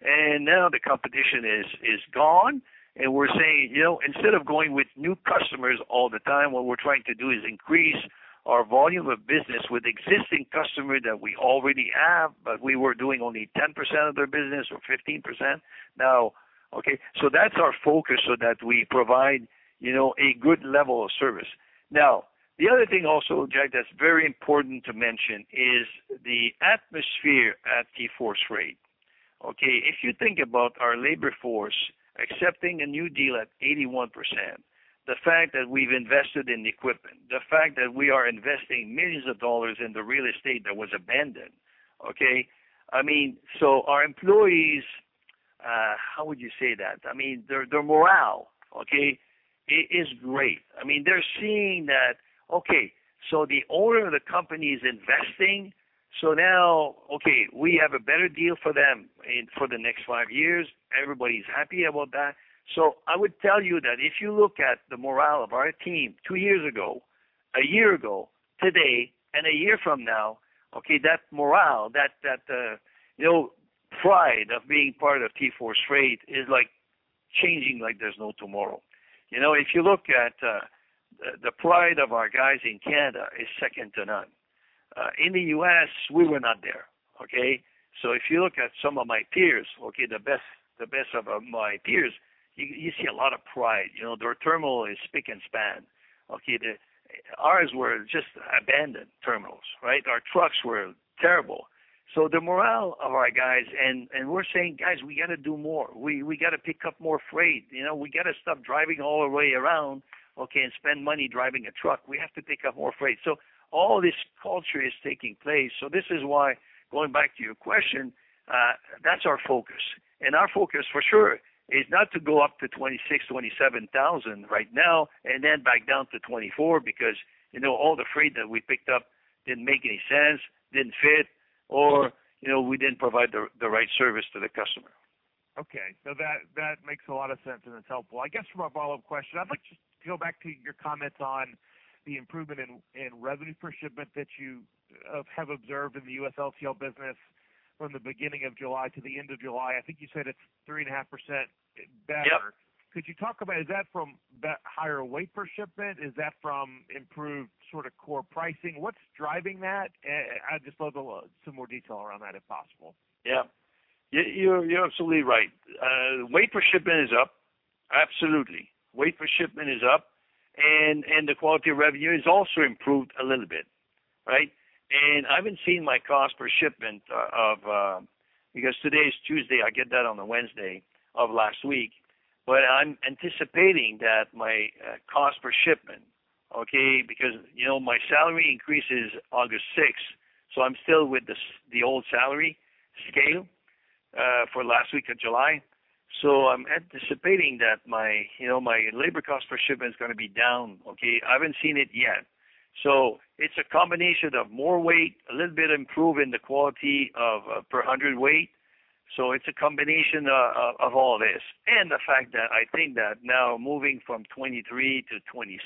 and now the competition is, is gone. We're saying, you know, instead of going with new customers all the time, what we're trying to do is increase our volume of business with existing customer that we already have, but we were doing only 10% of their business or 15%. Okay, that's our focus so that we provide, you know, a good level of service. The other thing also, Jack, that's very important to mention is the atmosphere at TForce Freight, okay. If you think about our labor force accepting a new deal at 81%-... the fact that we've invested in equipment, the fact that we are investing millions of dollars in the real estate that was abandoned, okay? I mean, Our employees, how would you say that? I mean, their, their morale, okay, it is great. I mean, they're seeing that, okay, the owner of the company is investing. Now, okay, we have a better deal for them and for the next five years, everybody's happy about that. I would tell you that if you look at the morale of our team two years ago, one year ago, today, and one year from now, okay, that morale, that, that, you know, pride of being part of TForce Freight is like changing like there's no tomorrow. You know, if you look at, the pride of our guys in Canada is second to none. In the U.S., we were not there, okay. If you look at some of my peers, okay, the best, the best of my peers, you, you see a lot of pride. You know, their terminal is spick and span, okay? Ours were just abandoned terminals, right. Our trucks were terrible. The morale of our guys, and, and we're saying: "Guys, we got to do more. We, we got to pick up more freight. You know, we got to stop driving all the way around, okay, and spend money driving a truck. We have to pick up more freight." All this culture is taking place. This is why, going back to your question, that's our focus. Our focus, for sure, is not to go up to 26,000 to 27,000 right now and then back down to 24,000 because, you know, all the freight that we picked up didn't make any sense, didn't fit, or, you know, we didn't provide the, the right service to the customer. That, that makes a lot of sense, and it's helpful. I guess for my follow-up question, I'd like to go back to your comments on the improvement in, in revenue per shipment that you have observed in the U.S. LTL business from the beginning of July to the end of July. I think you said it's 3.5% better. Yep. Could you talk about... Is that from the higher weight per shipment? Is that from improved sort of core pricing? What's driving that? I'd just love a little, some more detail around that, if possible. Yeah. You're, you're absolutely right. Weight per shipment is up. Absolutely. Weight per shipment is up. The quality of revenue has also improved a little bit, right? I haven't seen my cost per shipment of, because today is Tuesday, I get that on a Wednesday of last week, but I'm anticipating that my cost per shipment, okay, because, you know, my salary increases August 6th, so I'm still with the old salary scale for last week of July. I'm anticipating that my, you know, my labor cost per shipment is gonna be down, okay? I haven't seen it yet. It's a combination of more weight, a little bit improve in the quality of per hundred weight. It's a combination of, of, of all this. The fact that I think that now moving from 2023 to 2026,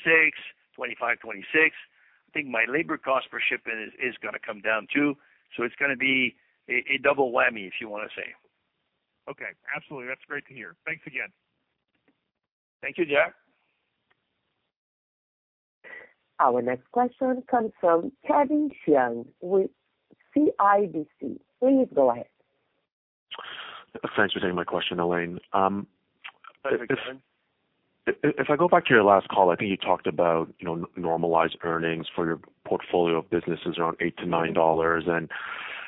2025, 2026, I think my labor cost per shipment is gonna come down, too. It's gonna be a, a double whammy, if you want to say. Okay, absolutely. That's great to hear. Thanks again. Thank you, Jack. Our next question comes from Kevin Chiang with CIBC. Please go ahead. Thanks for taking my question, Alain. Hi, Kevin. If I go back to your last call, I think you talked about, you know, normalized earnings for your portfolio of businesses around $8-$9.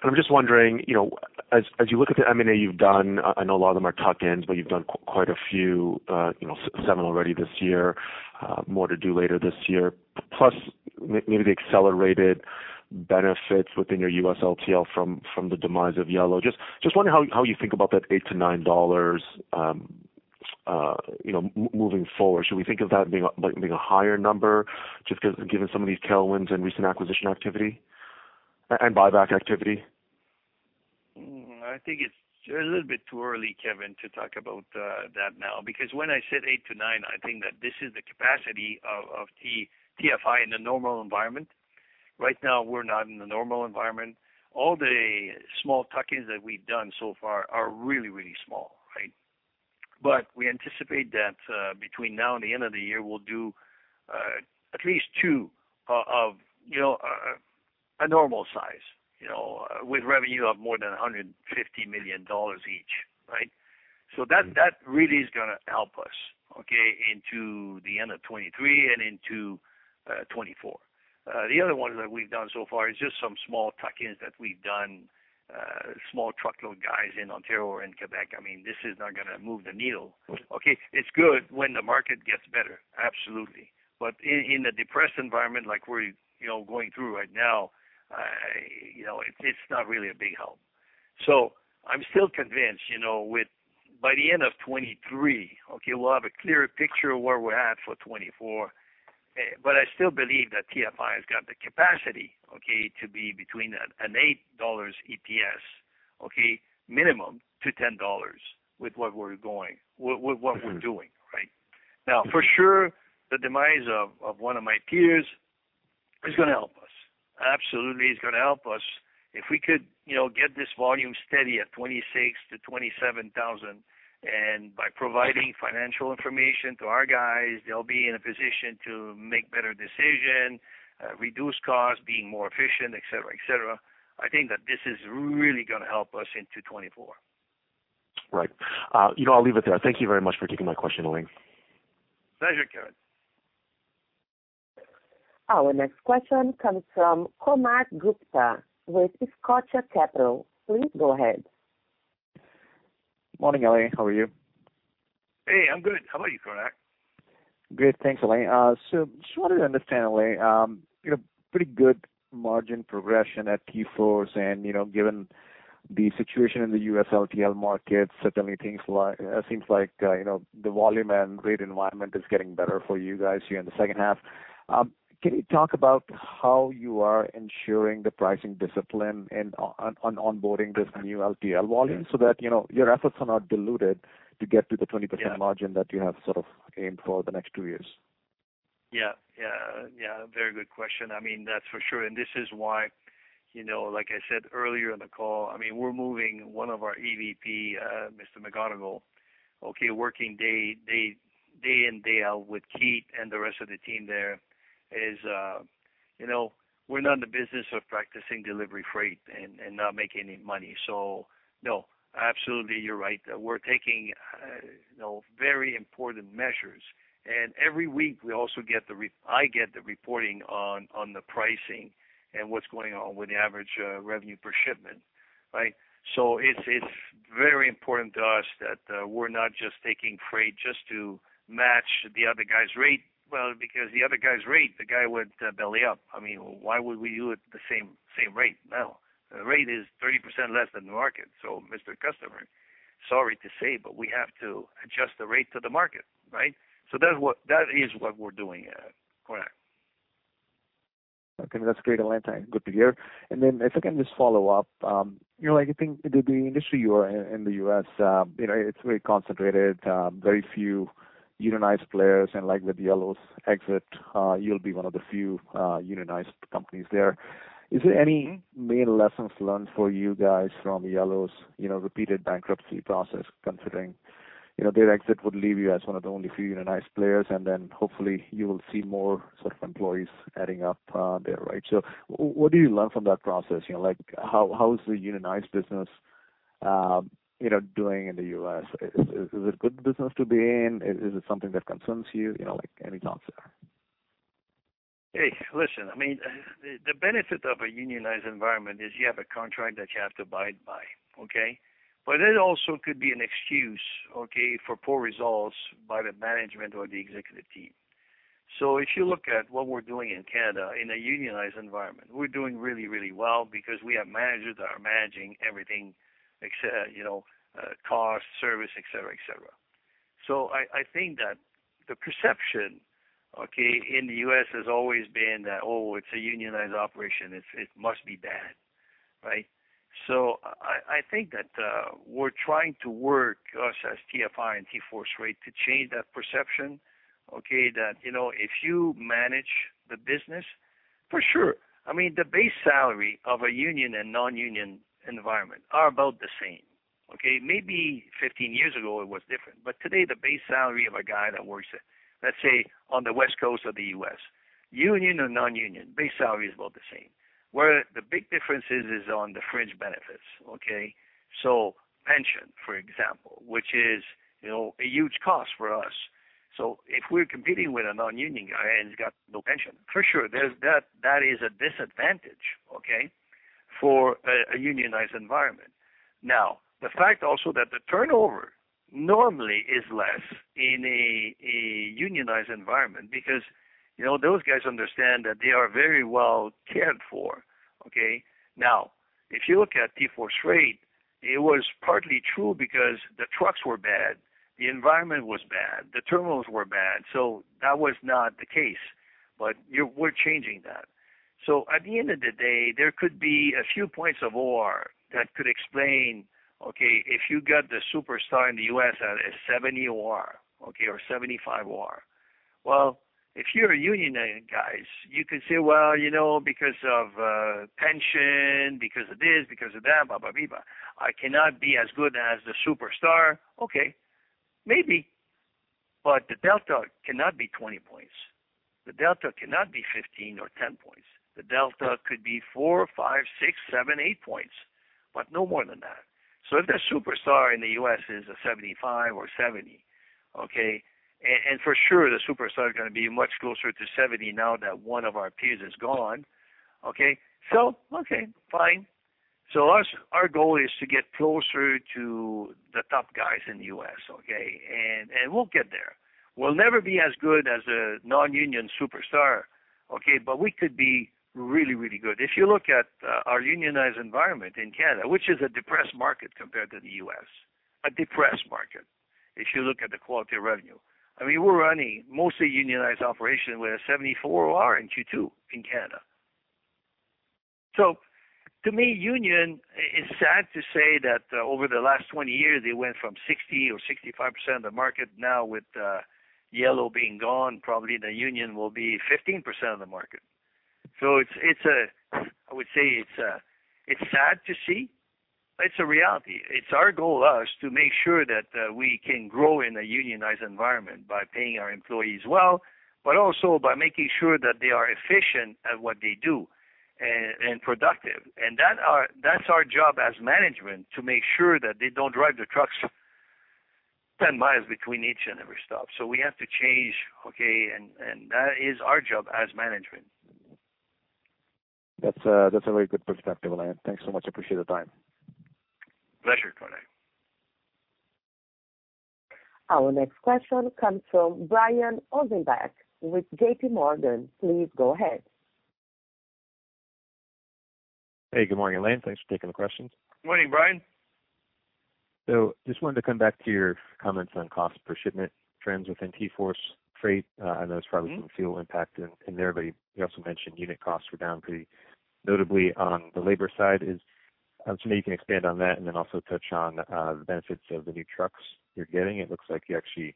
I'm just wondering, you know, as, as you look at the M&A you've done, I, I know a lot of them are tuck-ins, but you've done quite a few, you know, 7 already this year, more to do later this year, plus maybe the accelerated benefits within your US LTL from, from the demise of Yellow. Just wondering how you think about that $8-$9, you know, moving forward. Should we think of that being a, like being a higher number, just because given some of these tailwinds and recent acquisition activity and buyback activity? I think it's a little bit too early, Kevin, to talk about that now, because when I said 8-9, I think that this is the capacity of T- TFI in a normal environment. Right now, we're not in a normal environment. All the small tuck-ins that we've done so far are really, really small, right? We anticipate that between now and the end of the year, we'll do at least two of, you know, a normal size, you know, with revenue of more than $150 million each, right? Mm-hmm. That, that really is gonna help us, okay, into the end of 2023 and into 2024. The other one that we've done so far is just some small tuck-ins that we've done, small truckload guys in Ontario and Quebec. I mean, this is not gonna move the needle. Okay, it's good when the market gets better, absolutely. In a depressed environment like we're, you know, going through right now, You know, it's, it's not really a big help. I'm still convinced, you know, with by the end of 2023, okay, we'll have a clearer picture of where we're at for 2024, but I still believe that TFI has got the capacity, okay, to be between an, an $8 EPS, okay, minimum to $10 with what we're going- Mm-hmm. with, with what we're doing, right? Now, for sure, the demise of, of one of my peers is gonna help us. Absolutely, it's gonna help us. If we could, you know, get this volume steady at 26,000 to 27,000, by providing financial information to our guys, they'll be in a position to make better decision, reduce costs, being more efficient, et cetera, et cetera. I think that this is really gonna help us into 2024. Right. you know, I'll leave it there. Thank you very much for taking my question, Alain. Pleasure, Kevin. Our next question comes from Konark Gupta with Scotiabank. Please go ahead. Morning, Alain. How are you? Hey, I'm good. How about you, Konark? Great. Thanks, Alain. Just wanted to understand, Alain, you know, pretty good margin progression at TForce and, you know, given the situation in the U.S. LTL market, certainly things like, seems like, you know, the volume and rate environment is getting better for you guys here in the second half. Can you talk about how you are ensuring the pricing discipline and onboarding this new LTL volume so that, you know, your efforts are not diluted to get to the 20%- Yeah. margin that you have sort of aimed for the next two years? Yeah. Yeah. Yeah, very good question. I mean, that's for sure. This is why, you know, like I said earlier in the call, I mean, we're moving one of our EVP, Mr. Bob McGonigal, okay, working day, day, day in, day out with Keith and the rest of the team there is, you know, we're not in the business of practicing delivery freight and, and not making any money. No, absolutely, you're right. We're taking, you know, very important measures, and every week, we also get the I get the reporting on, on the pricing and what's going on with the average, revenue per shipment, right? It's, it's very important to us that we're not just taking freight just to match the other guy's rate. Because the other guy's rate, the guy went belly up. I mean, why would we do it the same, same rate? No, the rate is 30% less than the market. Mr. Customer, sorry to say, but we have to adjust the rate to the market, right? That is what we're doing, Konark. Okay, that's great, Alain. Good to hear. If I can just follow up, you know, I think the industry you are in, in the U.S., you know, it's very concentrated, very few unionized players, and like with Yellow's exit, you'll be one of the few unionized companies there. Is there any main lessons learned for you guys from Yellow's, you know, repeated bankruptcy process, considering, you know, their exit would leave you as one of the only few unionized players, and then hopefully you will see more sort of employees adding up there, right? What do you learn from that process? You know, like, how, how is the unionized business, you know, doing in the U.S.? Is, is it a good business to be in? Is, is it something that concerns you? You know, like, any thoughts there. Hey, listen, I mean, the, the benefit of a unionized environment is you have a contract that you have to abide by, okay. It also could be an excuse, okay, for poor results by the management or the executive team. If you look at what we're doing in Canada, in a unionized environment, we're doing really, really well because we have managers that are managing everything, except, you know, cost, service, et cetera, et cetera. I, I think that the perception, okay, in the U.S. has always been that, "Oh, it's a unionized operation. It, it must be bad," right. I, I think that we're trying to work, us as TFI and TForce Freight, to change that perception, okay, that, you know, if you manage the business, for sure, I mean, the base salary of a union and non-union environment are about the same, okay. Maybe 1five years ago, it was different, but today, the base salary of a guy that works at, let's say, on the West Coast of the U.S., union or non-union, base salary is about the same. Where the big difference is, is on the fringe benefits, okay. Pension, for example, which is, you know, a huge cost for us. If we're competing with a non-union guy, and he's got no pension, for sure, there's that, that is a disadvantage, okay, for a, a unionized environment. The fact also that the turnover normally is less in a, a unionized environment because, you know, those guys understand that they are very well cared for, okay? If you look at TForce Freight, it was partly true because the trucks were bad, the environment was bad, the terminals were bad, so that was not the case. You- we're changing that. At the end of the day, there could be a few points of OR that could explain, okay, if you got the superstar in the U.S. at a 70 OR, okay, or 75 OR. If you're a unionized guys, you could say, "Well, you know, because of pension, because of this, because of that, ba, ba, bi, ba, I cannot be as good as the superstar." Okay, maybe. The delta cannot be 20 points. The delta cannot be 15 or 10 points. The delta could be four, five, six, seven, eight points, but no more than that. If the superstar in the U.S. is a 75 or 70, okay, and, and for sure, the superstar is gonna be much closer to 70 now that one of our peers is gone, okay? Okay, fine. So us, our goal is to get closer to the top guys in the U.S., okay? We'll get there. We'll never be as good as a non-union superstar, okay, but we could be really, really good. If you look at our unionized environment in Canada, which is a depressed market compared to the U.S., a depressed market, if you look at the quality of revenue. I mean, we're running mostly unionized operation with a 74 OR in Q2 in Canada. To me, union, it's sad to say that, over the last 20 years, they went from 60% or 65% of the market. Now, with Yellow being gone, probably the union will be 15% of the market. It's, it's a I would say it's sad to see, but it's a reality. It's our goal, us, to make sure that we can grow in a unionized environment by paying our employees well, but also by making sure that they are efficient at what they do and productive. That's our job as management, to make sure that they don't drive the trucks 10 miles between each and every stop. We have to change, okay, and that is our job as management. That's a, that's a very good perspective, Alain. Thanks so much. I appreciate the time. Pleasure, Konark. Our next question comes from Brian Ossenbeck with JPMorgan. Please go ahead. Hey, good morning, Alain. Thanks for taking the questions. Morning, Brian. Just wanted to come back to your comments on cost per shipment trends within TForce Freight. I know it's probably some fuel impact in there, but you also mentioned unit costs were down pretty notably on the labor side. Maybe you can expand on that and then also touch on the benefits of the new trucks you're getting. It looks like you actually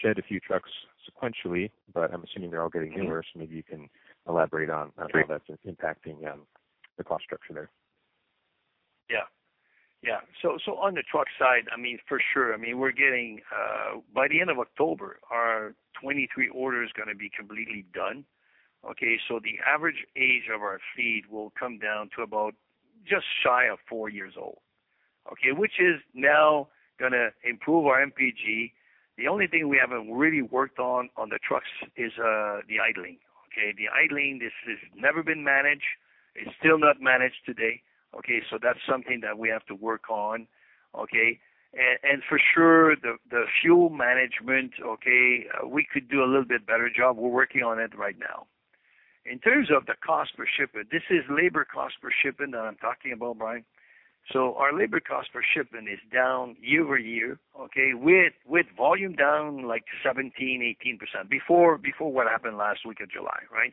shed a few trucks sequentially, but I'm assuming they're all getting newer. Maybe you can elaborate on how that's impacting the cost structure there. Yeah. Yeah. On the truck side, I mean, we're getting. By the end of October, our 23 order is going to be completely done, okay? The average age of our fleet will come down to about just shy of four years old, okay? Which is now going to improve our MPG. The only thing we haven't really worked on, on the trucks is the idling, okay? The idling, this has never been managed. It's still not managed today, okay? That's something that we have to work on, okay? For sure, the fuel management, okay, we could do a little bit better job. We're working on it right now. In terms of the cost per shipment, this is labor cost per shipment that I'm talking about, Brian. Our labor cost per shipment is down year-over-year, okay? With volume down like 17%-18% before what happened last week of July, right?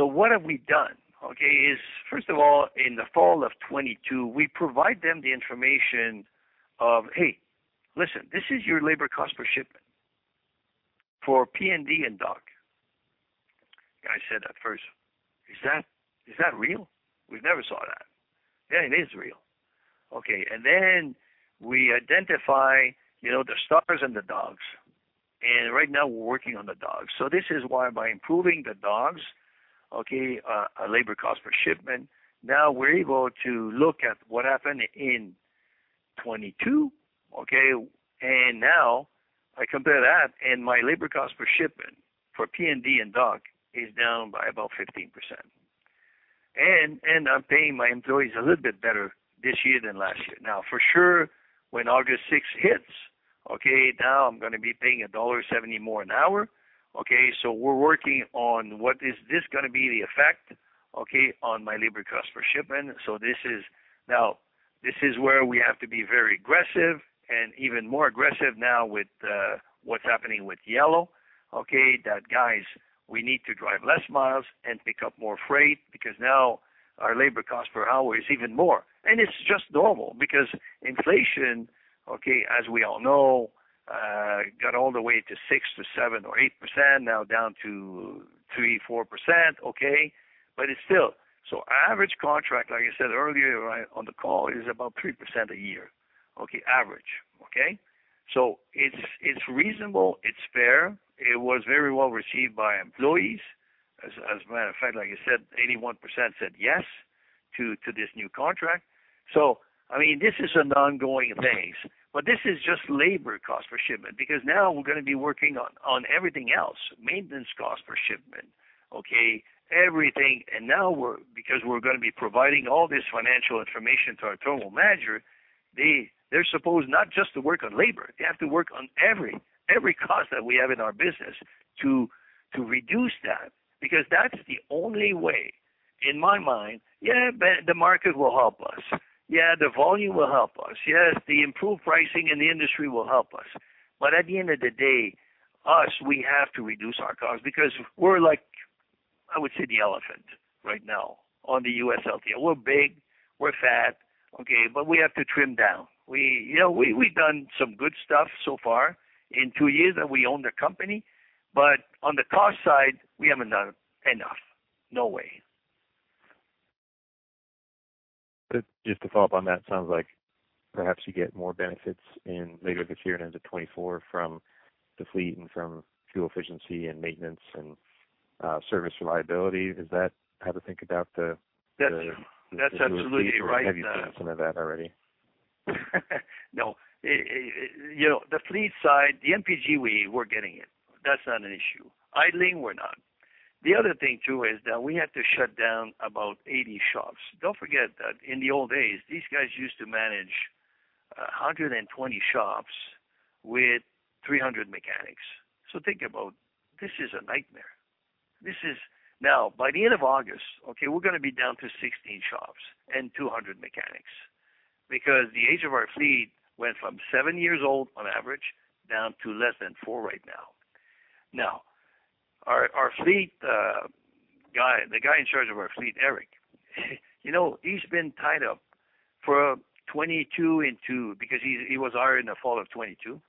What have we done, okay? First of all, in the fall of 2022, we provide them the information of, "Hey, listen, this is your labor cost per shipment for P&D and dock." The guy said at first: "Is that, is that real? We've never saw that." "Yeah, it is real." Okay, then we identify, you know, the stars and the dogs, and right now we're working on the dogs. This is why by improving the dogs, okay, our labor cost per shipment, now we're able to look at what happened in 2022, okay? Now I compare that, and my labor cost per shipment for P&D and dock is down by about 15%. I'm paying my employees a little bit better this year than last year. Now, for sure, when August 6th hits, okay, now I'm gonna be paying $1.70 more an hour, okay? We're working on what is this gonna be the effect, okay, on my labor cost per shipment. This is... Now, this is where we have to be very aggressive and even more aggressive now with what's happening with Yellow, okay? That, "Guys, we need to drive less miles and pick up more freight," because now our labor cost per hour is even more. It's just normal because inflation, okay, as we all know, got all the way to 6% to 7% or 8%, now down to 3%, 4%, okay? But it's still. Average contract, like I said earlier on the call, is about 3% a year, okay? Average, okay? It's, it's reasonable, it's fair. It was very well-received by employees. As a matter of fact, like I said, 81% said yes to this new contract. I mean, this is an ongoing thing, but this is just labor cost per shipment, because now we're gonna be working on everything else, maintenance cost per shipment, okay? Everything, and now we're because we're gonna be providing all this financial information to our terminal manager, they're supposed not just to work on labor. They have to work on every, every cost that we have in our business to reduce that, because that's the only way, in my mind... The market will help us. The volume will help us. Yes, the improved pricing in the industry will help us. At the end of the day, us, we have to reduce our costs because we're like, I would say, the elephant right now on the US LTL. We're big, we're fat, okay, but we have to trim down. We, you know, we, we've done some good stuff so far in two years that we own the company, but on the cost side, we haven't done enough. No way. Just to follow up on that, sounds like perhaps you get more benefits in later this year and into 2024 from the fleet and from fuel efficiency and maintenance and service reliability. Is that how to think about the? That's, that's absolutely right. Have you seen some of that already? No. You know, the fleet side, the MPG, we're getting it. That's not an issue. Idling, we're not. The other thing, too, is that we had to shut down about 80 shops. Don't forget that in the old days, these guys used to manage 120 shops with 300 mechanics. Think about, this is a nightmare. By the end of August, okay, we're gonna be down to 16 shops and 200 mechanics because the age of our fleet went from 7 years old on average, down to less than 4 right now. Our, our fleet guy, the guy in charge of our fleet, Eric, you know, he's been tied up for 2022 because he was hired in the fall of 2022.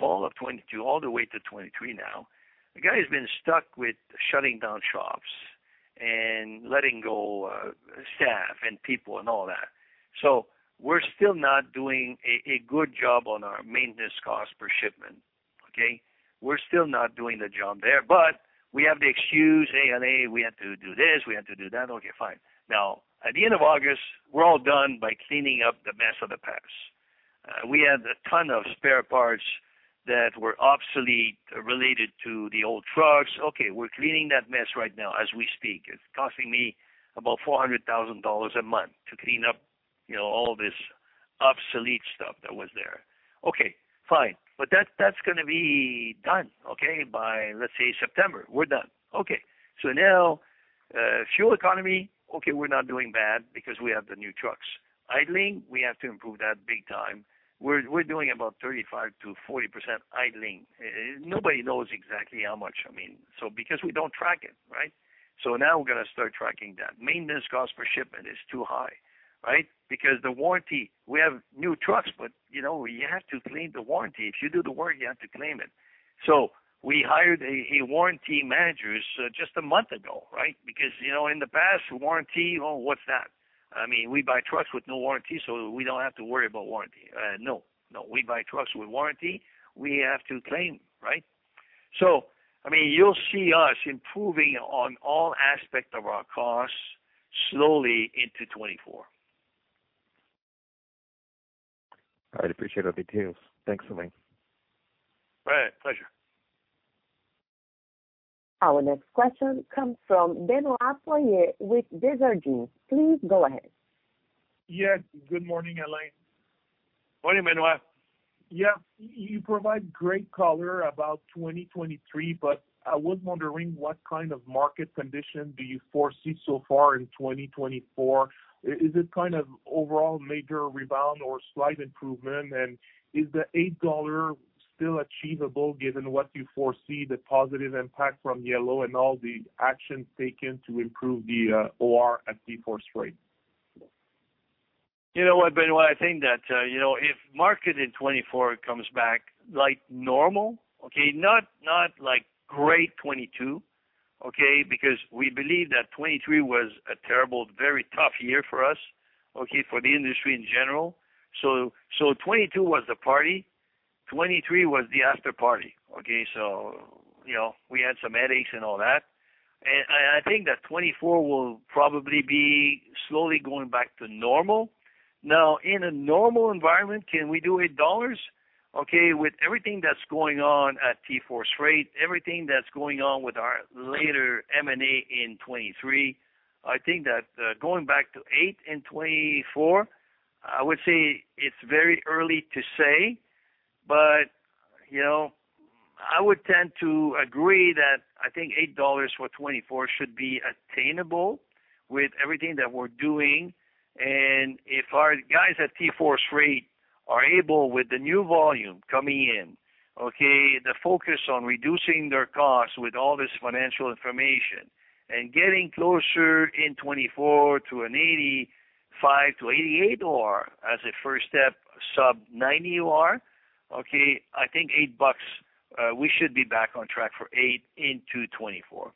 Fall of 2022, all the way to 2023 now. The guy has been stuck with shutting down shops and letting go staff and people and all that. We're still not doing a, a good job on our maintenance cost per shipment, okay? We're still not doing the job there, but we have the excuse, ALA, we had to do this, we had to do that. Okay, fine. At the end of August, we're all done by cleaning up the mess of the past. We had a ton of spare parts that were obsolete, related to the old trucks. Okay, we're cleaning that mess right now as we speak. It's costing me about $400,000 a month to clean up, you know, all this obsolete stuff that was there. Okay, fine. That, that's gonna be done, okay, by, let's say, September, we're done. Okay. Now, fuel economy, okay, we're not doing bad because we have the new trucks. Idling, we have to improve that big time. We're doing about 35%-40% idling. Nobody knows exactly how much, I mean, so because we don't track it, right? Now we're gonna start tracking that. Maintenance cost per shipment is too high, right? The warranty, we have new trucks, but, you know, you have to claim the warranty. If you do the work, you have to claim it. We hired a warranty manager just a month ago, right? You know, in the past, warranty, oh, what's that? I mean, we buy trucks with no warranty, so we don't have to worry about warranty. No, no, we buy trucks with warranty. We have to claim, right? I mean, you'll see us improving on all aspect of our costs slowly into 2024. I appreciate the details. Thanks, Alain. Right. Pleasure. Our next question comes from Benoit Poirier with Desjardins. Please go ahead. Yes. Good morning, Alain. Morning, Benoit. Yeah, you provide great color about 2023. I was wondering what kind of market condition do you foresee so far in 2024? Is it kind of overall major rebound or slight improvement? Is the $8 still achievable, given what you foresee, the positive impact from Yellow and all the actions taken to improve the OR at TForce Freight? You know what, Benoit, I think that, you know, if market in 2024 comes back like normal, okay, not, not like great 2022, okay? We believe that 2023 was a terrible, very tough year for us, okay, for the industry in general. 2022 was the party, 2023 was the afterparty, okay? You know, we had some headaches and all that. I, I think that 2024 will probably be slowly going back to normal. Now, in a normal environment, can we do $8? Okay, with everything that's going on at TForce Freight, everything that's going on with our later M&A in 2023, I think that, going back to $8 in 2024, I would say it's very early to say, but, you know, I would tend to agree that I think $8 for 2024 should be attainable with everything that we're doing. If our guys at TForce Freight are able, with the new volume coming in, okay, the focus on reducing their costs with all this financial information and getting closer in 2024 to an 85-88 OR as a first step, sub 90 OR, okay, I think $8, we should be back on track for $8 into 2024.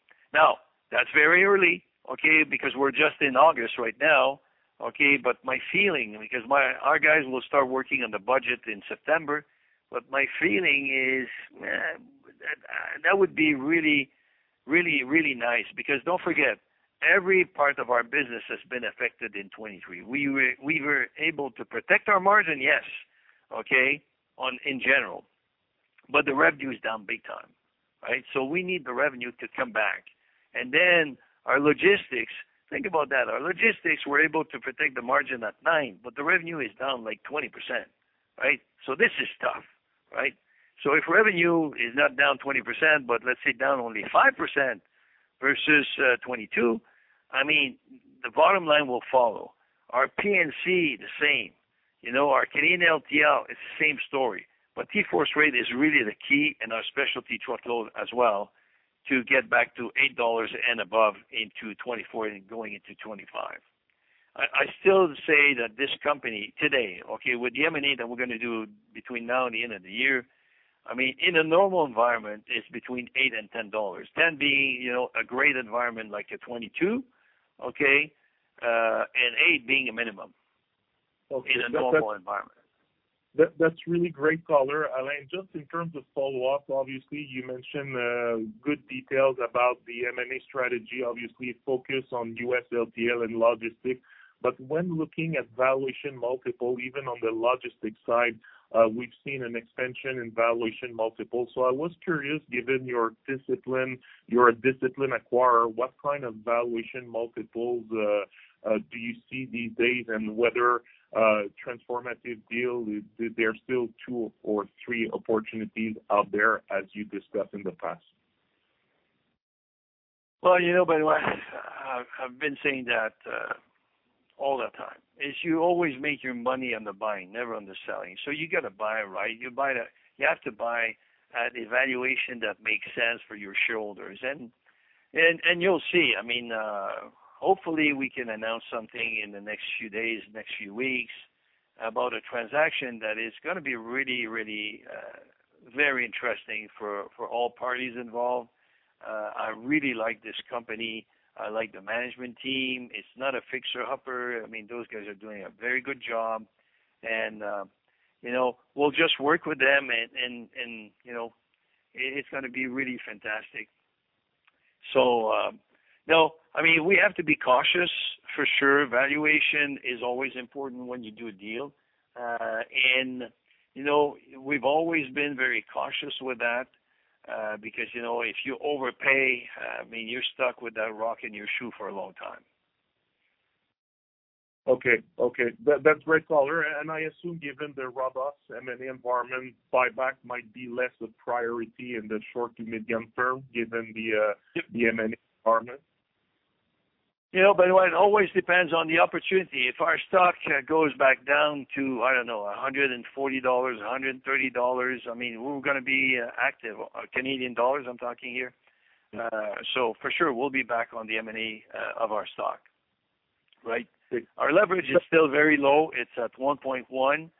That's very early, okay? We're just in August right now, okay? My feeling, because our guys will start working on the budget in September, my feeling is, that would be really, really, really nice. Don't forget, every part of our business has been affected in 2023. We were able to protect our margin, yes, okay, in general, but the revenue is down big time, right? We need the revenue to come back. Then our logistics, think about that, our logistics, we're able to protect the margin at 9%, but the revenue is down, like, 20%, right? This is tough, right? If revenue is not down 20%, but let's say down only 5% versus 2022, I mean, the bottom line will follow. Our P&C, the same. You know, our Canadian LTL is the same story, but TForce Freight is really the key, and our specialty truckload as well, to get back to $8 and above into 2024 and going into 2025. I, I still say that this company today, okay, with the M&A that we're gonna do between now and the end of the year, I mean, in a normal environment, it's between $8 and $10. $10 being, you know, a great environment like a 2022, okay, and $8 being a minimum- Okay. In a normal environment. That, that's really great color, Alain. Just in terms of follow-up, obviously, you mentioned good details about the M&A strategy, obviously focused on U.S. LTL and logistics. When looking at valuation multiple, even on the logistics side, we've seen an extension in valuation multiple. I was curious, given your discipline, you're a discipline acquirer, what kind of valuation multiples do you see these days, and whether transformative deal, is there still two or three opportunities out there, as you discussed in the past? Well, you know, Benoit, I've, I've been saying that all the time, is you always make your money on the buying, never on the selling. You got to buy, right? You have to buy at a valuation that makes sense for your shareholders. And, and, and you'll see, I mean, hopefully, we can announce something in the next few days, next few weeks, about a transaction that is gonna be really, really, very interesting for, for all parties involved. I really like this company. I like the management team. It's not a fixer-upper. I mean, those guys are doing a very good job, and, you know, we'll just work with them and, and, and, you know, it, it's gonna be really fantastic. No, I mean, we have to be cautious for sure. Valuation is always important when you do a deal. You know, we've always been very cautious with that, because, you know, if you overpay, I mean, you're stuck with that rock in your shoe for a long time. Okay. Okay. That, that's great color. I assume given the robust M&A environment, buyback might be less a priority in the short to medium term, given the M&A environment. You know, it always depends on the opportunity. If our stock goes back down to, I don't know, 140 dollars, 130 dollars, I mean, we're gonna be active. Canadian dollars, I'm talking here. For sure, we'll be back on the M&A of our stock, right? Good. Our leverage is still very low. It's at 1.1,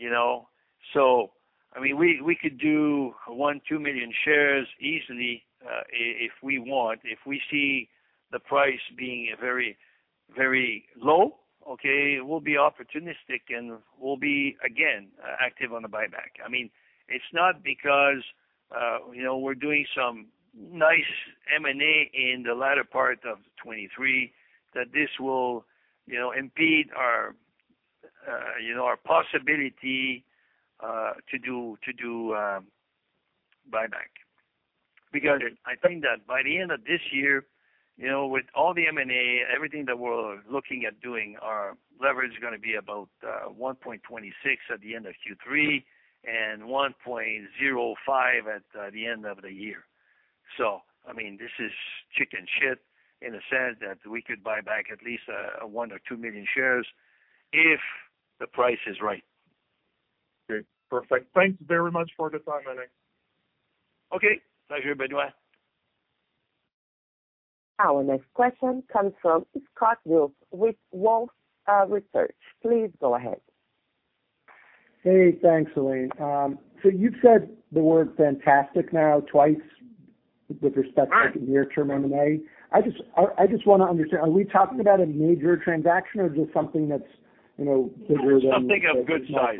you know, so I mean, we could do 1 million to 2 million shares easily, if we want. If we see the price being very, very low, okay, we'll be opportunistic and we'll be, again, active on the buyback. I mean, it's not because, you know, we're doing some nice M&A in the latter part of 2023, that this will, you know, impede our, you know, our possibility to do, to do buyback. Got it. I think that by the end of this year, you know, with all the M&A, everything that we're looking at doing, our leverage is gonna be about 1.26 at the end of Q3, and 1.05 at the end of the year. I mean, this is chicken shit in a sense that we could buy back at least 1 or 2 million shares if the price is right. Okay, perfect. Thanks very much for the time, Alain. Okay. Pleasure, Benoit. Our next question comes from Scott Group with Wolfe Research. Please go ahead. Hey, thanks, Alain. You've said the word fantastic now twice with respect to near-term M&A. I just want to understand, are we talking about a major transaction or just something that's, you know, bigger than- Something of good size.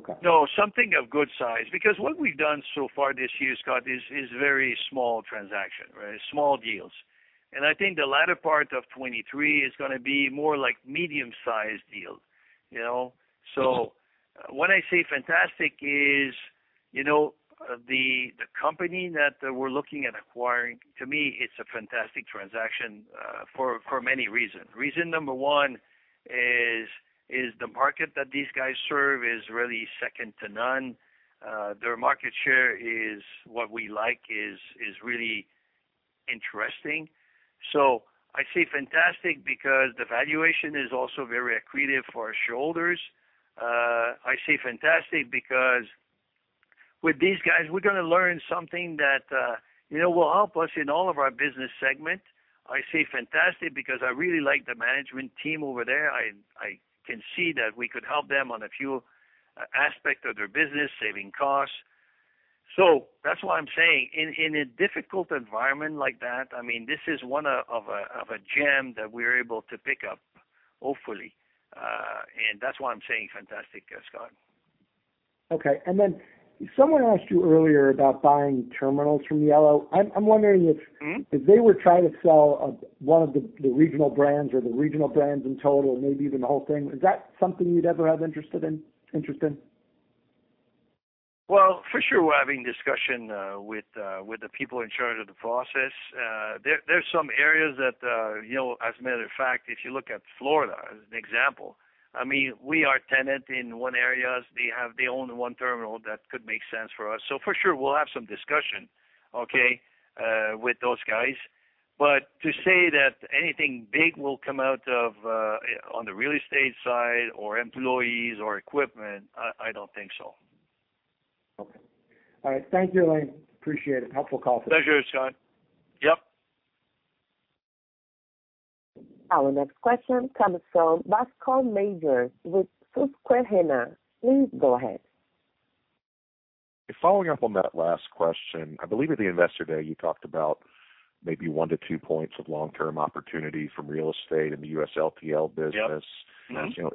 Okay. No, something of good size, because what we've done so far this year, Scott, is, is very small transaction, right? Small deals. I think the latter part of 2023 is gonna be more like medium-sized deals, you know? When I say fantastic is, you know, the, the company that we're looking at acquiring, to me, it's a fantastic transaction, for, for many reasons. Reason number one is, is the market that these guys serve is really second to none. Their market share is what we like, is, is really interesting. I say fantastic because the valuation is also very accretive for our shareholders. I say fantastic because with these guys, we're gonna learn something that, you know, will help us in all of our business segment. I say fantastic, because I really like the management team over there. I, I can see that we could help them on a few aspect of their business, saving costs. That's why I'm saying in, in a difficult environment like that, I mean, this is one of a, of a gem that we're able to pick up, hopefully. And that's why I'm saying fantastic, Scott. Okay. Then someone asked you earlier about buying terminals from Yellow. I'm wondering if- Mm-hmm. if they were trying to sell, one of the, the regional brands or the regional brands in total, maybe even the whole thing, is that something you'd ever have interested in- interest in? Well, for sure, we're having discussion with the people in charge of the process. There, there's some areas that, you know, as a matter of fact, if you look at Florida as an example, I mean, we are tenant in 1 areas. They own 1 terminal that could make sense for us. For sure, we'll have some discussion, okay, with those guys. To say that anything big will come out of on the real estate side or employees or equipment, I, I don't think so. Okay. All right. Thank you, Alain. Appreciate it. Helpful call. Pleasure, Scott. Yep. Our next question comes from Bascome Majors with Susquehanna. Please go ahead. Following up on that last question, I believe at the Investor Day, you talked about maybe 1 to 2 points of long-term opportunity from real estate in the U.S. LTL business. Yep. Mm-hmm. As you know,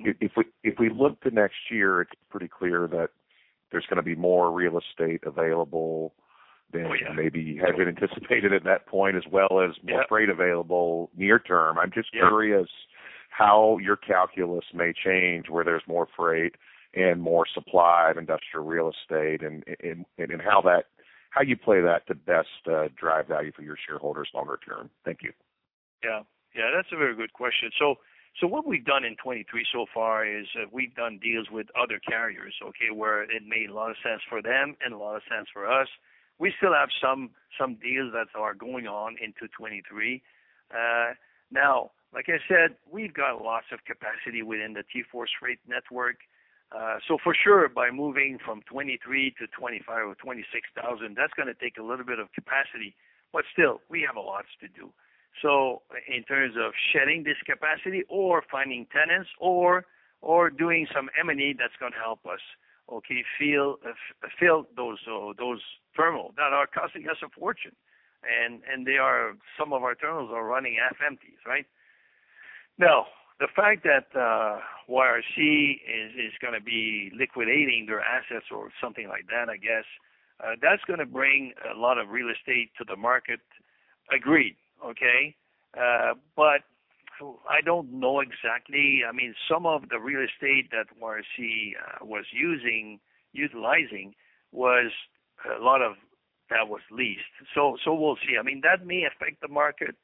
if we look to next year, it's pretty clear that there's gonna be more real estate available than... Oh, yeah. -maybe had been anticipated at that point, as well as- Yep more freight available near term. Yep. I'm just curious how your calculus may change, where there's more freight and more supply of industrial real estate and how you play that to best drive value for your shareholders longer term. Thank you. Yeah. Yeah, that's a very good question. What we've done in 2023 so far is, we've done deals with other carriers, okay? Where it made a lot of sense for them and a lot of sense for us. We still have some, some deals that are going on into 2023. Now, like I said, we've got lots of capacity within the TForce Freight network. For sure, by moving from 23 to 25,000 or 26,000, that's gonna take a little bit of capacity, but still, we have a lots to do. In terms of shedding this capacity or finding tenants or, or doing some M&A, that's gonna help us, okay, fill, fill those, those terminals that are costing us a fortune. They are, some of our terminals are running half-empties, right? Now, the fact that YRC is, is gonna be liquidating their assets or something like that, I guess, that's gonna bring a lot of real estate to the market. Agreed, okay? I don't know exactly. I mean, some of the real estate that YRC was using, utilizing was a lot of that was leased. We'll see. I mean, that may affect the market,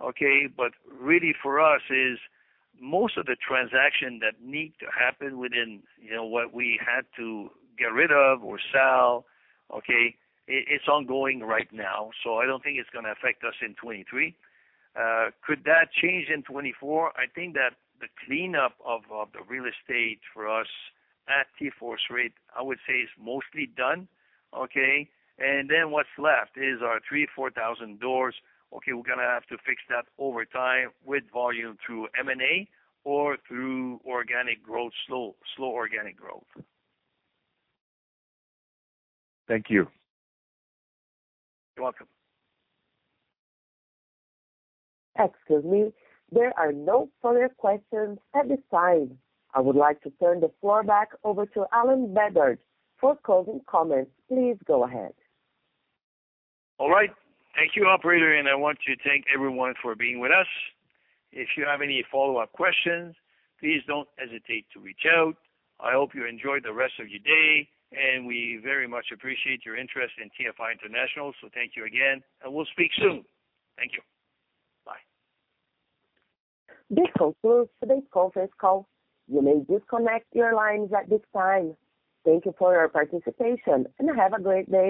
okay? Really for us is, most of the transaction that need to happen within, you know, what we had to get rid of or sell, okay, it, it's ongoing right now, so I don't think it's gonna affect us in 2023. Could that change in 2024? I think that the cleanup of, of the real estate for us at TForce Freight, I would say, is mostly done, okay? What's left is our 3,000-4,000 doors. Okay, we're gonna have to fix that over time with volume through M&A or through organic growth, slow, slow organic growth. Thank you. You're welcome. Excuse me. There are no further questions at this time. I would like to turn the floor back over to Alain Bédard for closing comments. Please go ahead. All right. Thank you, operator. I want to thank everyone for being with us. If you have any follow-up questions, please don't hesitate to reach out. I hope you enjoy the rest of your day. We very much appreciate your interest in TFI International. Thank you again. We'll speak soon. Thank you. Bye. This concludes today's conference call. You may disconnect your lines at this time. Thank you for your participation, and have a great day.